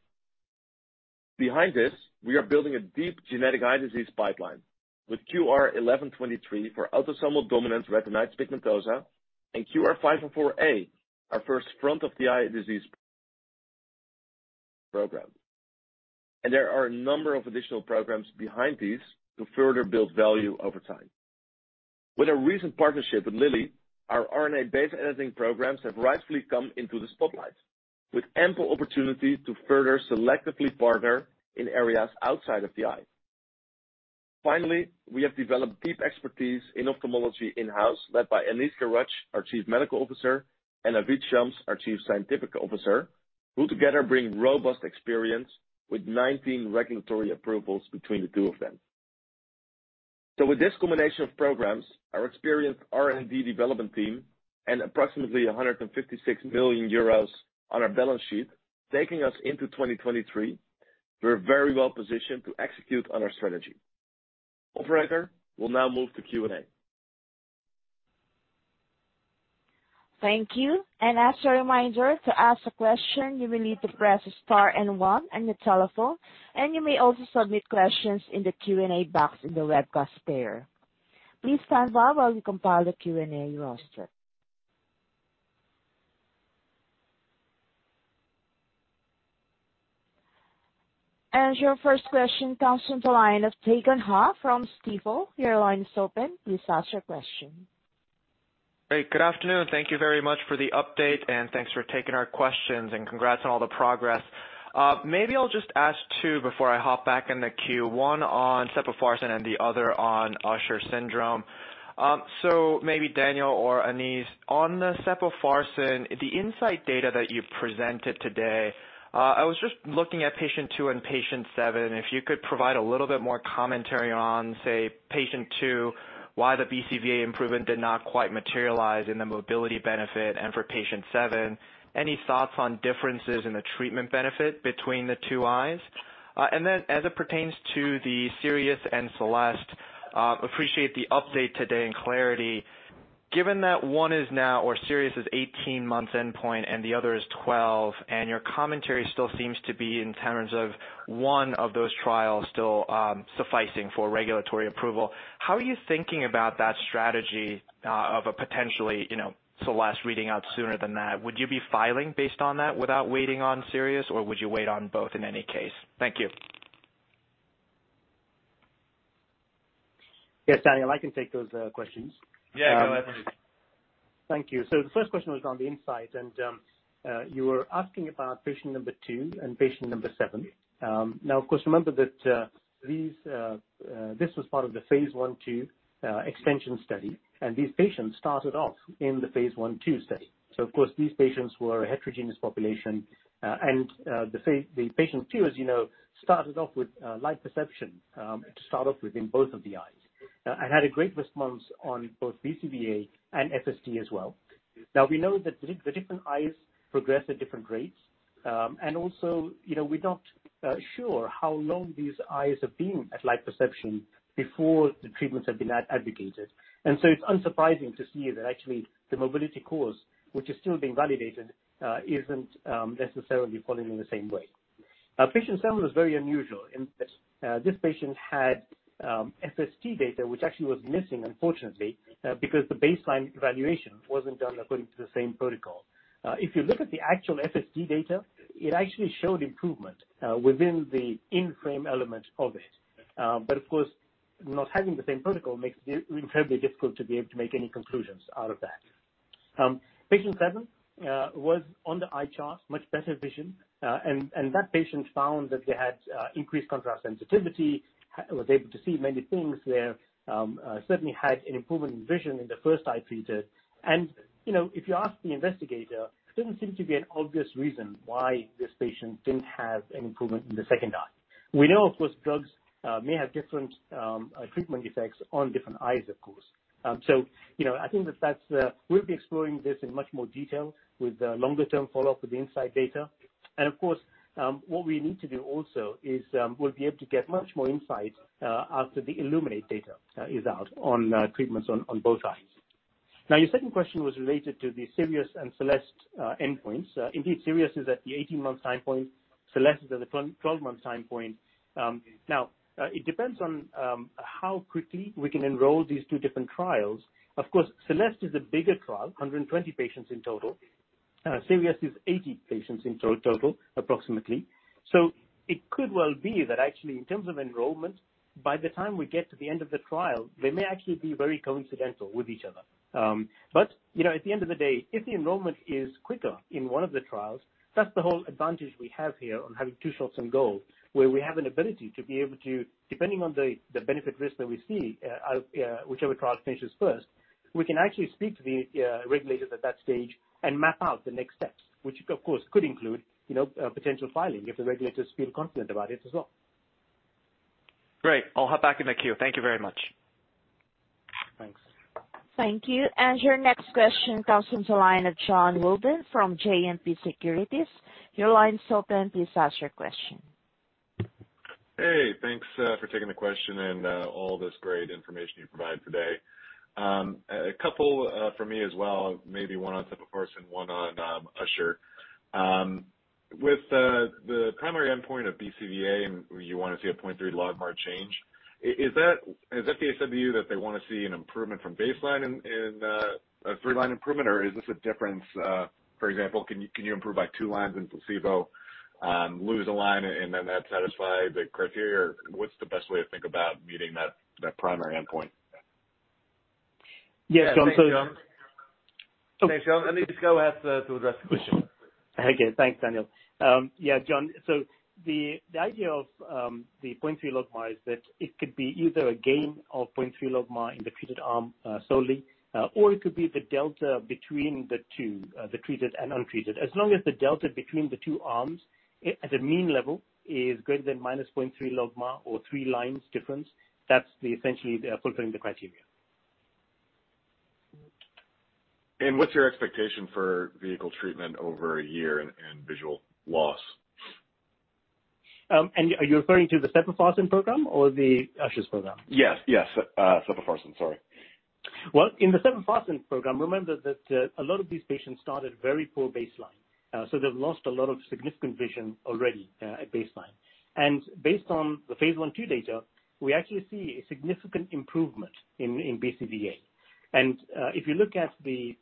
Behind this, we are building a deep genetic eye disease pipeline with QR-1123 for autosomal dominant retinitis pigmentosa and QR-504a, our first front-of-the-eye disease program. There are a number of additional programs behind these to further build value over time. With our recent partnership with Lilly, our RNA-based editing programs have rightfully come into the spotlight, with ample opportunity to further selectively partner in areas outside of the eye. Finally, we have developed deep expertise in ophthalmology in-house, led by Aniz Girach, our Chief Medical Officer, and Naveed Shams, our Chief Scientific Officer, who together bring robust experience with 19 regulatory approvals between the two of them. With this combination of programs, our experienced R&D development team, and approximately 156 million euros on our balance sheet, taking us into 2023, we're very well positioned to execute on our strategy. Operator, we'll now move to Q&A. Thank you. As a reminder, to ask a question, you will need to press Star and one on your telephone, and you may also submit questions in the Q&A box in the webcast player. Please stand by while we compile the Q&A roster. Your first question comes from the line of Dae Gon Ha from Stifel. Your line is open. Please ask your question. Great. Good afternoon. Thank you very much for the update, and thanks for taking our questions, and congrats on all the progress. Maybe I'll just ask two before I hop back in the queue, one on sepofarsen and the other on Usher syndrome. Maybe Daniel or Aniz on the sepofarsen, the InSight data that you presented today. I was just looking at Patient 2 and Patient 7, if you could provide a little bit more commentary on, say, Patient 2, why the BCVA improvement did not quite materialize in the mobility benefit, and for Patient 7, any thoughts on differences in the treatment benefit between the two eyes? As it pertains to the Sirius and Celeste, appreciate the update today and clarity. Given that one is now or Sirius is 18 months endpoint and the other is 12, and your commentary still seems to be in terms of one of those trials still sufficing for regulatory approval. How are you thinking about that strategy of a potentially, you know, Celeste reading out sooner than that? Would you be filing based on that without waiting on Sirius? Or would you wait on both in any case? Thank you. Yes, Daniel, I can take those questions. Yeah. Go ahead, please. Thank you. The first question was on the InSight, and you were asking about patient number two and patient number seven. Now of course, remember that this was part of the phase I/II extension study, and these patients started off in the phase I/II study. These patients were a heterogeneous population. The patient two, as you know, started off with light perception to start off with in both of the eyes and had a great response on both BCVA and FST as well. Now, we know that the different eyes progress at different rates. Also, you know, we're not sure how long these eyes have been at light perception before the treatments have been administered. It's unsurprising to see that actually the mobility course, which is still being validated, isn't necessarily following the same way. Now, patient seven was very unusual in that this patient had FST data, which actually was missing unfortunately, because the baseline evaluation wasn't done according to the same protocol. If you look at the actual FST data, it actually showed improvement within the in-frame element of it. But of course, not having the same protocol makes it incredibly difficult to be able to make any conclusions out of that. Patient seven was on the eye chart, much better vision. And that patient found that they had increased contrast sensitivity, was able to see many things where certainly had an improvement in vision in the first eye treated. You know, if you ask the investigator, there didn't seem to be an obvious reason why this patient didn't have an improvement in the second eye. We know, of course, drugs may have different treatment effects on different eyes, of course. You know, I think we'll be exploring this in much more detail with the longer-term follow-up with the InSight data. Of course, what we need to do is we'll be able to get much more insight after the ILLUMINATE data is out on treatments on both eyes. Now, your second question was related to the Sirius and Celeste endpoints. Indeed, Sirius is at the 18-month time point. Celeste is at the 12-month time point. Now, it depends on how quickly we can enroll these two different trials. Of course, Celeste is the bigger trial, 120 patients in total. Sirius is 80 patients in total, approximately. It could well be that actually in terms of enrollment, by the time we get to the end of the trial, they may actually be very coincident with each other. You know, at the end of the day, if the enrollment is quicker in one of the trials, that's the whole advantage we have here on having two shots on goal, where we have an ability to be able to, depending on the benefit risk that we see, whichever trial finishes first, we can actually speak to the regulators at that stage and map out the next steps, which of course could include, you know, a potential filing if the regulators feel confident about it as well. Great. I'll hop back in the queue. Thank you very much. Thanks. Thank you. Your next question comes from the line of Jonathan Wolleben from JMP Securities. Your line is open. Please ask your question. Hey, thanks for taking the question and all this great information you provided today. A couple from me as well, maybe one on sepofarsen, one on Usher. With the primary endpoint of BCVA, and you wanna see a 0.3 logMAR change, is that the SMU that they wanna see an improvement from baseline in a three line improvement? Or is this a difference, for example, can you improve by two lines in placebo, lose a line and then that satisfies the criteria? Or what's the best way to think about meeting that primary endpoint? Yes, Jonathan. Yeah. Thanks, Jon. Hey, Jon, Aniz Girach, go ahead to address the question. Okay. Thanks, Daniel. Yeah, Jon, the idea of the 0.3 logMAR is that it could be either a gain of 0.3 logMAR in the treated arm solely, or it could be the delta between the two, the treated and untreated. As long as the delta between the two arms at a mean level is greater than -0.3 logMAR or three lines difference, that's essentially they're fulfilling the criteria. What's your expectation for vehicle treatment over a year in visual loss? Are you referring to the sepofarsen program or the Usher's program? Yes, yes. Sepofarsen. Sorry. Well, in the sepofarsen program, remember that a lot of these patients start at very poor baseline. They've lost a lot of significant vision already at baseline. Based on the phase I/II data, we actually see a significant improvement in BCVA. If you look at the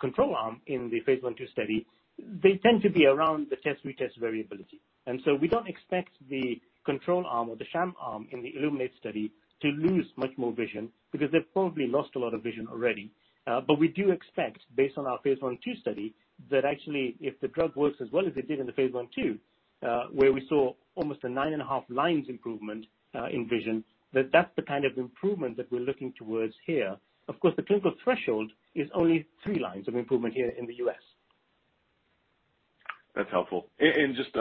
control arm in the phase I/II study, they tend to be around the test-retest variability. We don't expect the control arm or the sham arm in the ILLUMINATE study to lose much more vision because they've probably lost a lot of vision already. We do expect, based on our phase I/II study, that actually if the drug works as well as it did in the phase I/II, where we saw almost a 9.5 lines improvement in vision, that that's the kind of improvement that we're looking towards here. Of course, the clinical threshold is only three lines of improvement here in the U.S. That's helpful. Just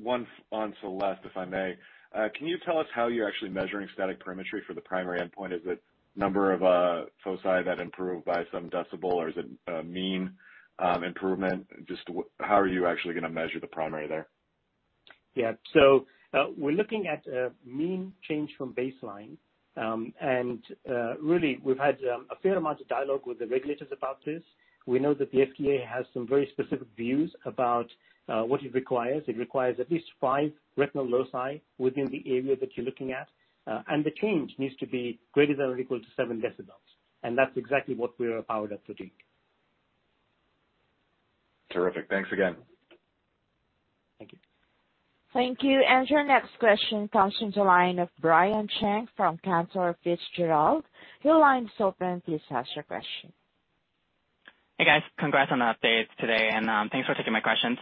one on Celeste, if I may. Can you tell us how you're actually measuring static perimetry for the primary endpoint? Is it number of foci that improve by some decibel or is it a mean improvement? How are you actually gonna measure the primary there? We're looking at a mean change from baseline. Really, we've had a fair amount of dialogue with the regulators about this. We know that the FDA has some very specific views about what it requires. It requires at least five retinal loci within the area that you're looking at. The change needs to be greater than or equal to 7 dB. That's exactly what we are powered up to take. Terrific. Thanks again. Thank you. Thank you. Your next question comes from the line of Brian Cheng from Cantor Fitzgerald. Your line is open. Please ask your question. Hey, guys. Congrats on the updates today and, thanks for taking my questions.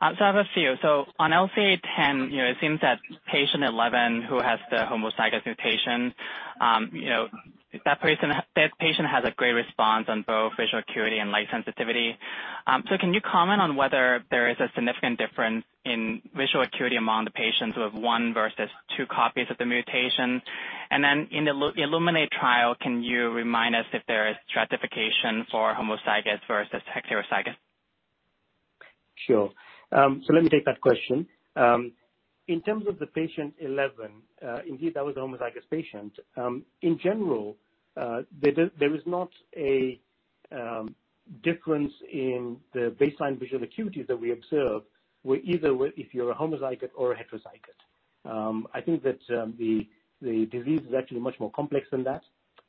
I have a few. On LCA10, it seems that patient 11 who has the homozygous mutation, that patient has a great response on both visual acuity and light sensitivity. Can you comment on whether there is a significant difference in visual acuity among the patients who have one versus two copies of the mutation? In the ILLUMINATE trial, can you remind us if there is stratification for homozygous versus heterozygous? Sure. Let me take that question. In terms of the patient 11, indeed, that was a homozygous patient. In general, there is not a difference in the baseline visual acuity that we observe whether you're a homozygous or a heterozygous. I think that the disease is actually much more complex than that.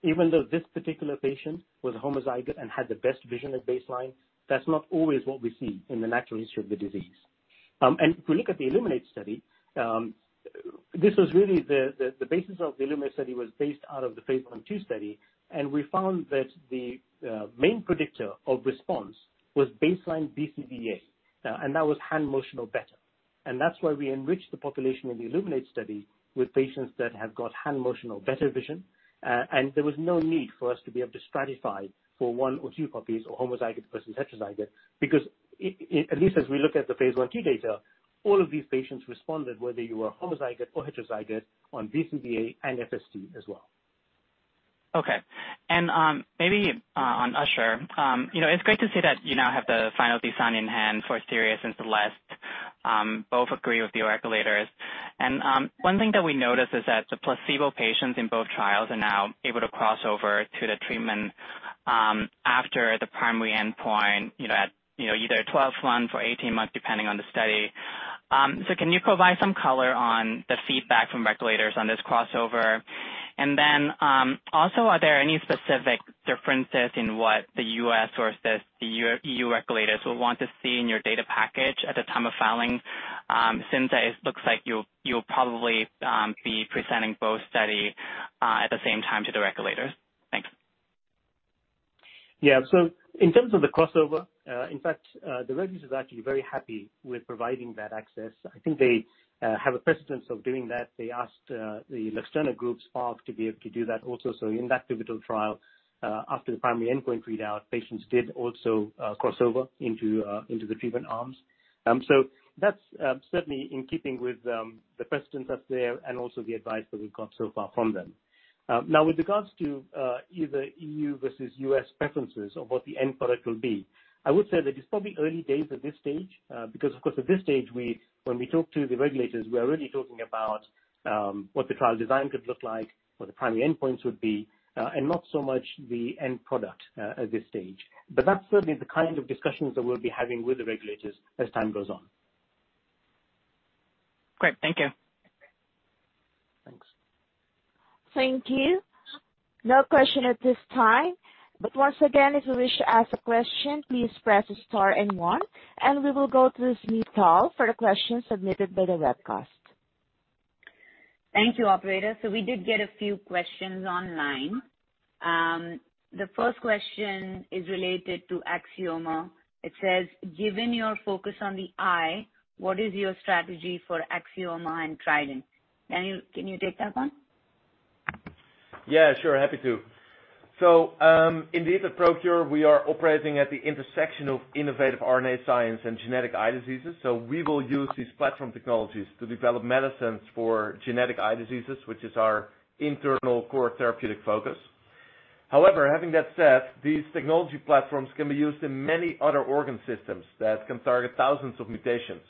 Even though this particular patient was homozygous and had the best vision at baseline, that's not always what we see in the natural history of the disease. If we look at the ILLUMINATE study, this was really the basis of the ILLUMINATE study was based out of the phase I and II study, and we found that the main predictor of response was baseline BCVA. That was hand motion or better. That's why we enriched the population in the ILLUMINATE study with patients that have got hand motion or better vision. There was no need for us to be able to stratify for one or two copies or homozygous versus heterozygous, because it at least as we look at the phase I/II data, all of these patients responded whether you were homozygous or heterozygous on BCVA and FST as well. Okay. Maybe on Usher, you know, it's great to see that you now have the final design in hand for Sirius and Celeste. Both agree with the regulators. One thing that we noticed is that the placebo patients in both trials are now able to cross over to the treatment, after the primary endpoint, you know, at, you know, either 12 months or 18 months, depending on the study. So can you provide some color on the feedback from regulators on this crossover? Also, are there any specific differences in what the U.S. versus the EU regulators will want to see in your data package at the time of filing, since it looks like you'll probably be presenting both studies at the same time to the regulators? Thanks. Yeah. In terms of the crossover, in fact, the regulators are actually very happy with providing that access. I think they have a precedent of doing that. They asked the Luxturna group, Spark, to be able to do that also. In that pivotal trial, after the primary endpoint readout, patients did also cross over into the treatment arms. That's certainly in keeping with the precedent that's there and also the advice that we've got so far from them. Now with regards to either EU versus US preferences or what the end product will be, I would say that it's probably early days at this stage, because, of course, at this stage, when we talk to the regulators, we are really talking about what the trial design could look like, what the primary endpoints would be, and not so much the end product at this stage. That's certainly the kind of discussions that we'll be having with the regulators as time goes on. Great. Thank you. Thanks. Thank you. No question at this time. Once again, if you wish to ask a question, please press star and one, and we will go through Zoom call for the questions submitted by the webcast. Thank you, operator. We did get a few questions online. The first question is related to Axiomer. It says, Given your focus on the eye, what is your strategy for Axiomer and Trident? Daniel, can you take that one? Yeah, sure, happy to. Indeed, at ProQR, we are operating at the intersection of innovative RNA science and genetic eye diseases. We will use these platform technologies to develop medicines for genetic eye diseases, which is our internal core therapeutic focus. However, having that said, these technology platforms can be used in many other organ systems that can target thousands of mutations.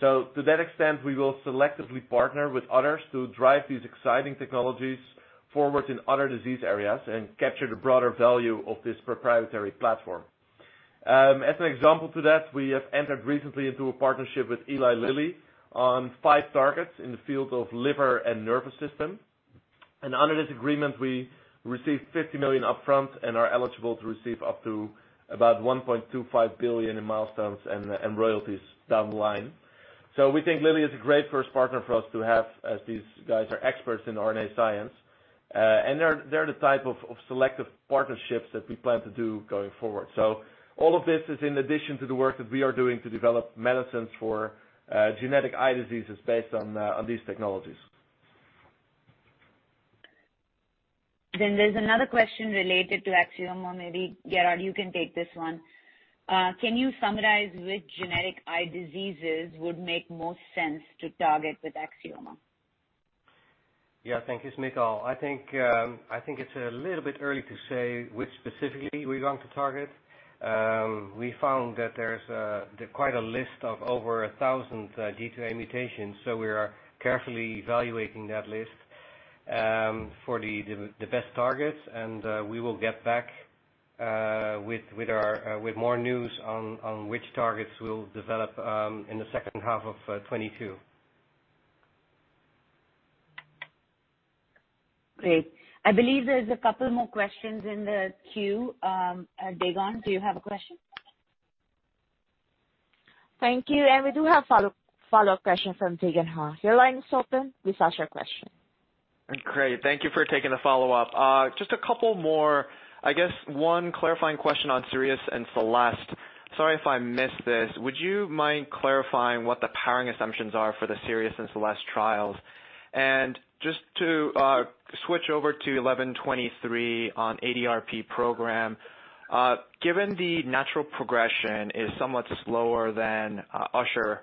To that extent, we will selectively partner with others to drive these exciting technologies forward in other disease areas and capture the broader value of this proprietary platform. As an example to that, we have entered recently into a partnership with Eli Lilly on five targets in the field of liver and nervous system. Under this agreement, we received 50 million upfront and are eligible to receive up to about 1.25 billion in milestones and royalties down the line. We think Lilly is a great first partner for us to have, as these guys are experts in RNA science. They're the type of selective partnerships that we plan to do going forward. All of this is in addition to the work that we are doing to develop medicines for genetic eye diseases based on these technologies. There's another question related to Axiomer. Maybe, Gerard, you can take this one. Can you summarize which genetic eye diseases would make most sense to target with Axiomer? Yeah. Thank you. It's Michal. I think it's a little bit early to say which specifically we want to target. We found that there's quite a list of over a thousand G2A mutations, so we are carefully evaluating that list for the best targets. We will get back with more news on which targets we'll develop in the second half of 2022. Great. I believe there's a couple more questions in the queue. Dae Gon Ha, do you have a question? Thank you. We do have follow-up question from Dae Gon Ha. Your line is open. Please ask your question. Great. Thank you for taking the follow-up. Just a couple more. I guess one clarifying question on Sirius and Celeste. Sorry if I missed this. Would you mind clarifying what the powering assumptions are for the Sirius and Celeste trials? Just to switch over to 1123 on ADRP program, given the natural progression is somewhat slower than Usher,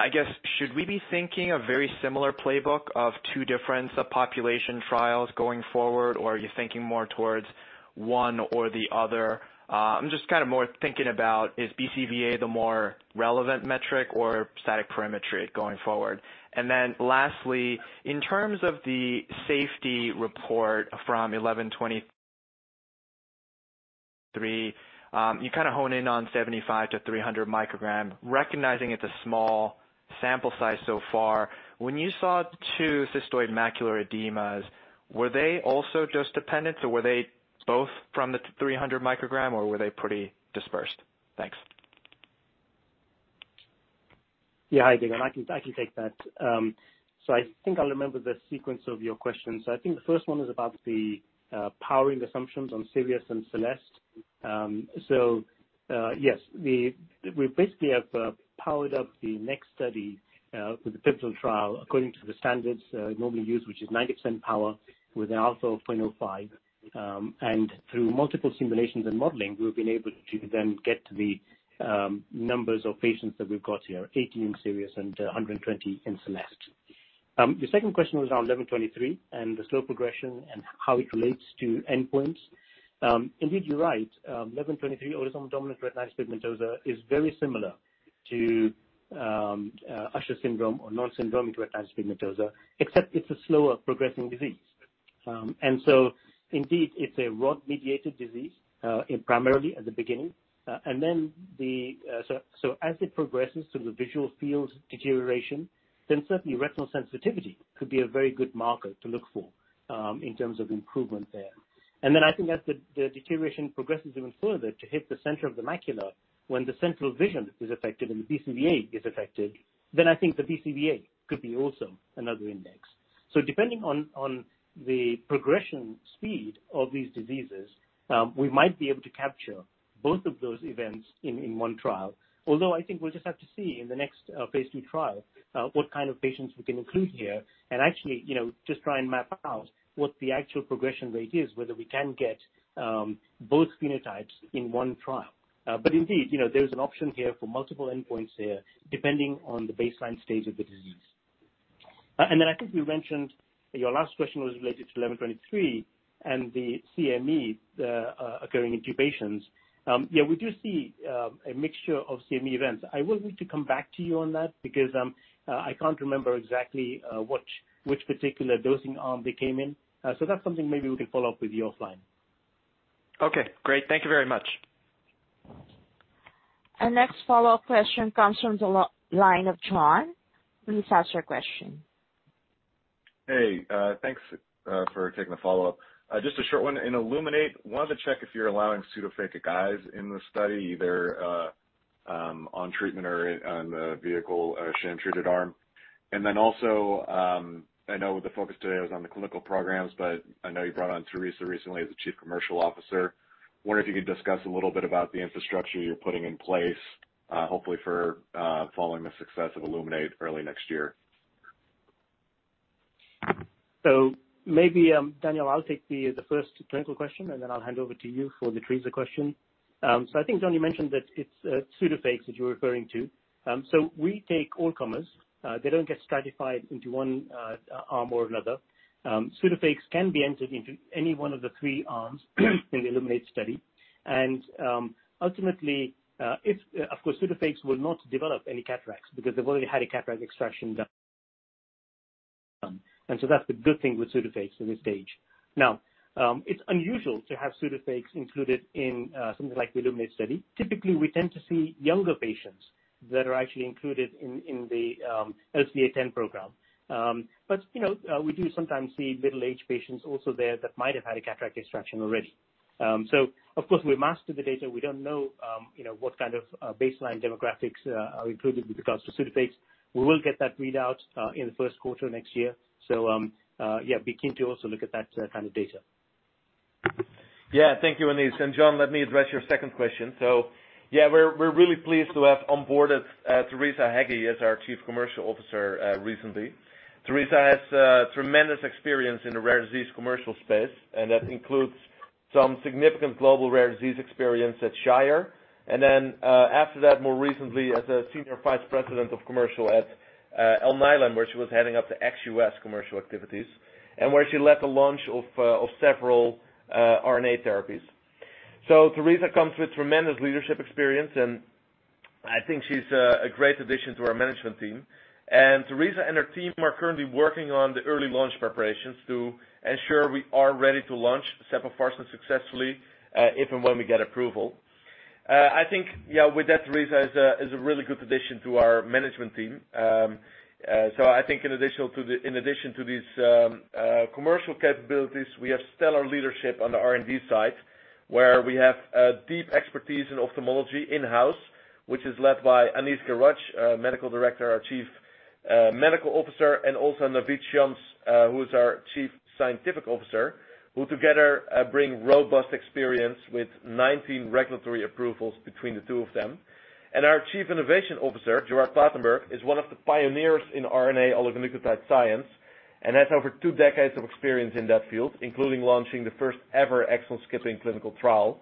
I guess should we be thinking a very similar playbook of two different subpopulation trials going forward, or are you thinking more towards one or the other? I'm just kinda more thinking about is BCVA the more relevant metric or static perimetry going forward? Then lastly, in terms of the safety report from 1123, you kinda hone in on 75 mcg-300 mcg. Recognizing it's a small sample size so far, when you saw two cystoid macular edemas, were they also dose dependent, or were they both from the 300 mcg, or were they pretty dispersed? Thanks. Hi, Dae Gon. I can take that. I think I'll remember the sequence of your questions. I think the first one was about the powering assumptions on Sirius and Celeste. Yes, we basically have powered up the next study with the pivotal trial according to the standards normally used, which is 90% power with an alpha of 0.05. Through multiple simulations and modeling, we've been able to then get to the numbers of patients that we've got here, 80 in Sirius and 120 in Celeste. Your second question was on QR-1123 and the slow progression and how it relates to endpoints. Indeed, you're right. QR-1123 autosomal dominant retinitis pigmentosa is very similar to Usher syndrome or non-syndromic retinitis pigmentosa, except it's a slower progressing disease. Indeed, it's a rod-mediated disease, primarily at the beginning. As it progresses through the visual field deterioration, then certainly retinal sensitivity could be a very good marker to look for in terms of improvement there. Then I think as the deterioration progresses even further to hit the center of the macula, when the central vision is affected and the BCVA is affected, then I think the BCVA could be also another index. Depending on the progression speed of these diseases, we might be able to capture both of those events in one trial. Although I think we'll just have to see in the next phase II trial what kind of patients we can include here and actually you know just try and map out what the actual progression rate is, whether we can get both phenotypes in one trial. Indeed you know there's an option here for multiple endpoints there, depending on the baseline stage of the disease. Then I think we mentioned, your last question was related to QR-1123 and the CME occurring in two patients. Yeah, we do see a mixture of CME events. I will need to come back to you on that because I can't remember exactly which particular dosing arm they came in. That's something maybe we can follow-up with you offline. Okay, great. Thank you very much. Our next follow-up question comes from the line of Jon. Please ask your question. Hey, thanks for taking the follow-up. Just a short one. In ILLUMINATE, wanted to check if you're allowing pseudophakic eyes in the study, either on treatment or on the vehicle, sham-treated arm. And then also, I know the focus today was on the clinical programs, but I know you brought on Theresa recently as the Chief Commercial Officer. Wondering if you could discuss a little bit about the infrastructure you're putting in place, hopefully for following the success of ILLUMINATE early next year. Maybe, Daniel, I'll take the first clinical question, and then I'll hand over to you for the Theresa question. I think, Jon, you mentioned that it's pseudophakic that you're referring to. We take all comers. They don't get stratified into one arm or another. Pseudophakic can be entered into any one of the three arms in the ILLUMINATE study. Ultimately, if, of course, pseudophakic will not develop any cataracts because they've already had a cataract extraction done. That's the good thing with pseudophakic at this stage. Now, it's unusual to have pseudophakic included in something like the ILLUMINATE study. Typically, we tend to see younger patients that are actually included in the LCA10 program. You know, we do sometimes see middle-aged patients also there that might have had a cataract extraction already. Of course, we've not mastered the data. We don't know, you know, what kind of baseline demographics are included because for pseudophakic, we will get that readout in the first quarter next year. Yeah, we'd be keen to also look at that kind of data. Yeah. Thank you, Aniz. Jon, let me address your second question. Yeah, we're really pleased to have onboarded Theresa Heggie as our Chief Commercial Officer recently. Theresa has tremendous experience in the rare disease commercial space, and that includes some significant global rare disease experience at Shire. Then, after that, more recently as a Senior Vice President of Commercial at Alnylam, where she was heading up the ex-U.S. commercial activities and where she led the launch of several RNA therapies. Theresa comes with tremendous leadership experience, and I think she's a great addition to our management team. Theresa and her team are currently working on the early launch preparations to ensure we are ready to launch sepofarsen successfully, if and when we get approval. I think, yeah, with that, Theresa is a really good addition to our management team. I think in addition to these commercial capabilities, we have STELLAR leadership on the R&D side, where we have deep expertise in ophthalmology in-house, which is led by Aniz Girach, our Chief Medical Officer, and also Naveed Shams, who is our Chief Scientific Officer, who together bring robust experience with 19 regulatory approvals between the two of them. Our Chief Innovation Officer, Gerard Platenburg, is one of the pioneers in RNA oligonucleotide science and has over two decades of experience in that field, including launching the first-ever exon-skipping clinical trial.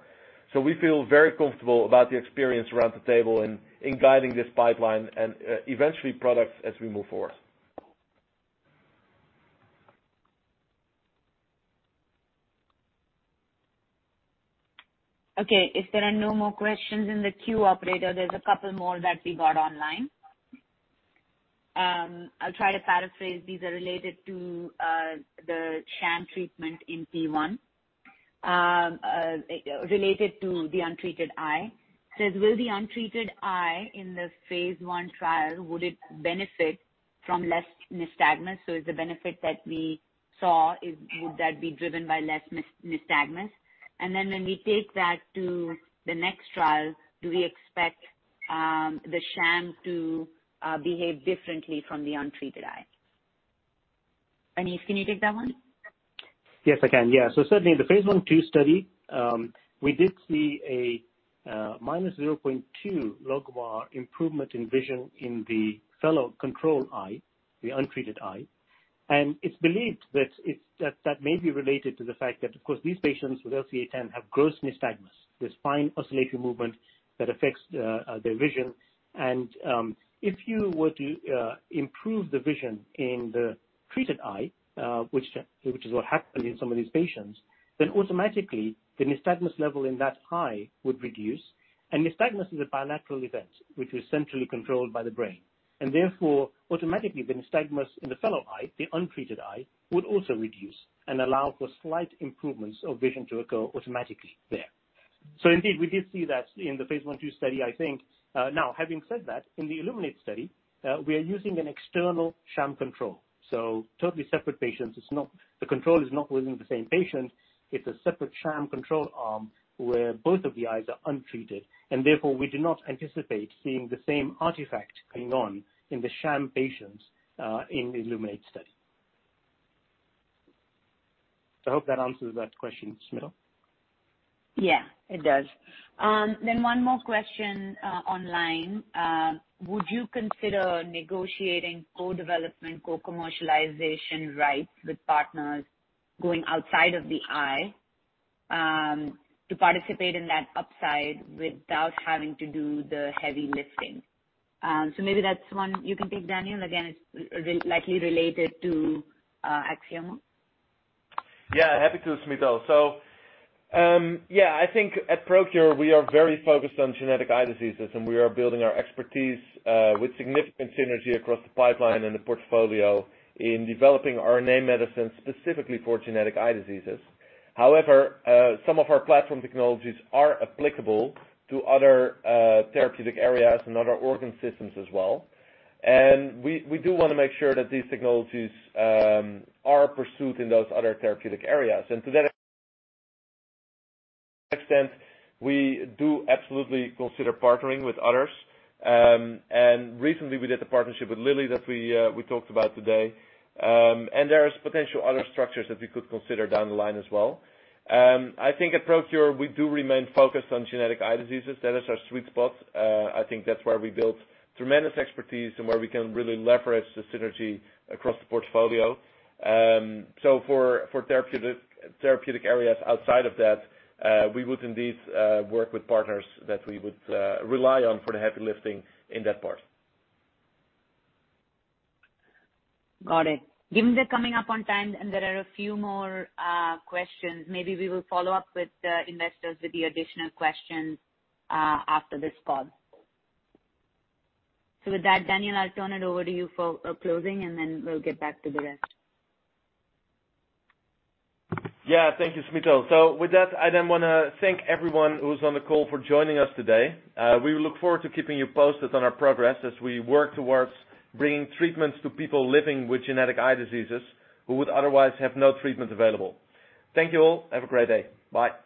We feel very comfortable about the experience around the table in guiding this pipeline and eventually products as we move forward. Okay, if there are no more questions in the queue, operator, there's a couple more that we got online. I'll try to paraphrase. These are related to the sham treatment in phase I. Related to the untreated eye. Says, Will the untreated eye in the phase I trial benefit from less nystagmus? So is the benefit that we saw driven by less nystagmus? And then when we take that to the next trial, do we expect the sham to behave differently from the untreated eye? Aniz, can you take that one? Yes, I can. Yeah. Certainly in the phase I/II study, we did see a -0.2 logMAR improvement in vision in the fellow control eye, the untreated eye. It's believed that it may be related to the fact that, of course, these patients with LCA10 have gross nystagmus, this fine oscillating movement that affects their vision. If you were to improve the vision in the treated eye, which is what happened in some of these patients, then automatically, the nystagmus level in that eye would reduce. Nystagmus is a bilateral event which is centrally controlled by the brain. Therefore, automatically, the nystagmus in the fellow eye, the untreated eye, would also reduce and allow for slight improvements of vision to occur automatically there. Indeed, we did see that in the phase I/II study, I think. Now, having said that, in the ILLUMINATE study, we are using an external sham control, so totally separate patients. It's not. The control is not within the same patient. It's a separate sham control arm where both of the eyes are untreated, and therefore we do not anticipate seeing the same artifact going on in the sham patients in the ILLUMINATE study. I hope that answers that question, Smita? Yeah, it does. One more question, online. Would you consider negotiating co-development, co-commercialization rights with partners going outside of the eye, to participate in that upside without having to do the heavy lifting? Maybe that's one you can take, Daniel. Again, it's really likely related to Axiomer. Happy to, Smita. I think at ProQR, we are very focused on genetic eye diseases, and we are building our expertise with significant synergy across the pipeline and the portfolio in developing RNA medicines specifically for genetic eye diseases. However, some of our platform technologies are applicable to other therapeutic areas and other organ systems as well. We do wanna make sure that these technologies are pursued in those other therapeutic areas. To that extent, we do absolutely consider partnering with others. Recently we did the partnership with Lilly that we talked about today. There's potential other structures that we could consider down the line as well. I think at ProQR, we do remain focused on genetic eye diseases. That is our sweet spot. I think that's where we built tremendous expertise and where we can really leverage the synergy across the portfolio. For therapeutic areas outside of that, we would indeed work with partners that we would rely on for the heavy lifting in that part. Got it. Given that we're coming up on time and there are a few more questions, maybe we will follow up with the investors with the additional questions after this call. With that, Daniel, I'll turn it over to you for closing, and then we'll get back to the rest. Yeah. Thank you, Smita. With that, I then wanna thank everyone who's on the call for joining us today. We look forward to keeping you posted on our progress as we work towards bringing treatments to people living with genetic eye diseases who would otherwise have no treatment available. Thank you all. Have a great day. Bye.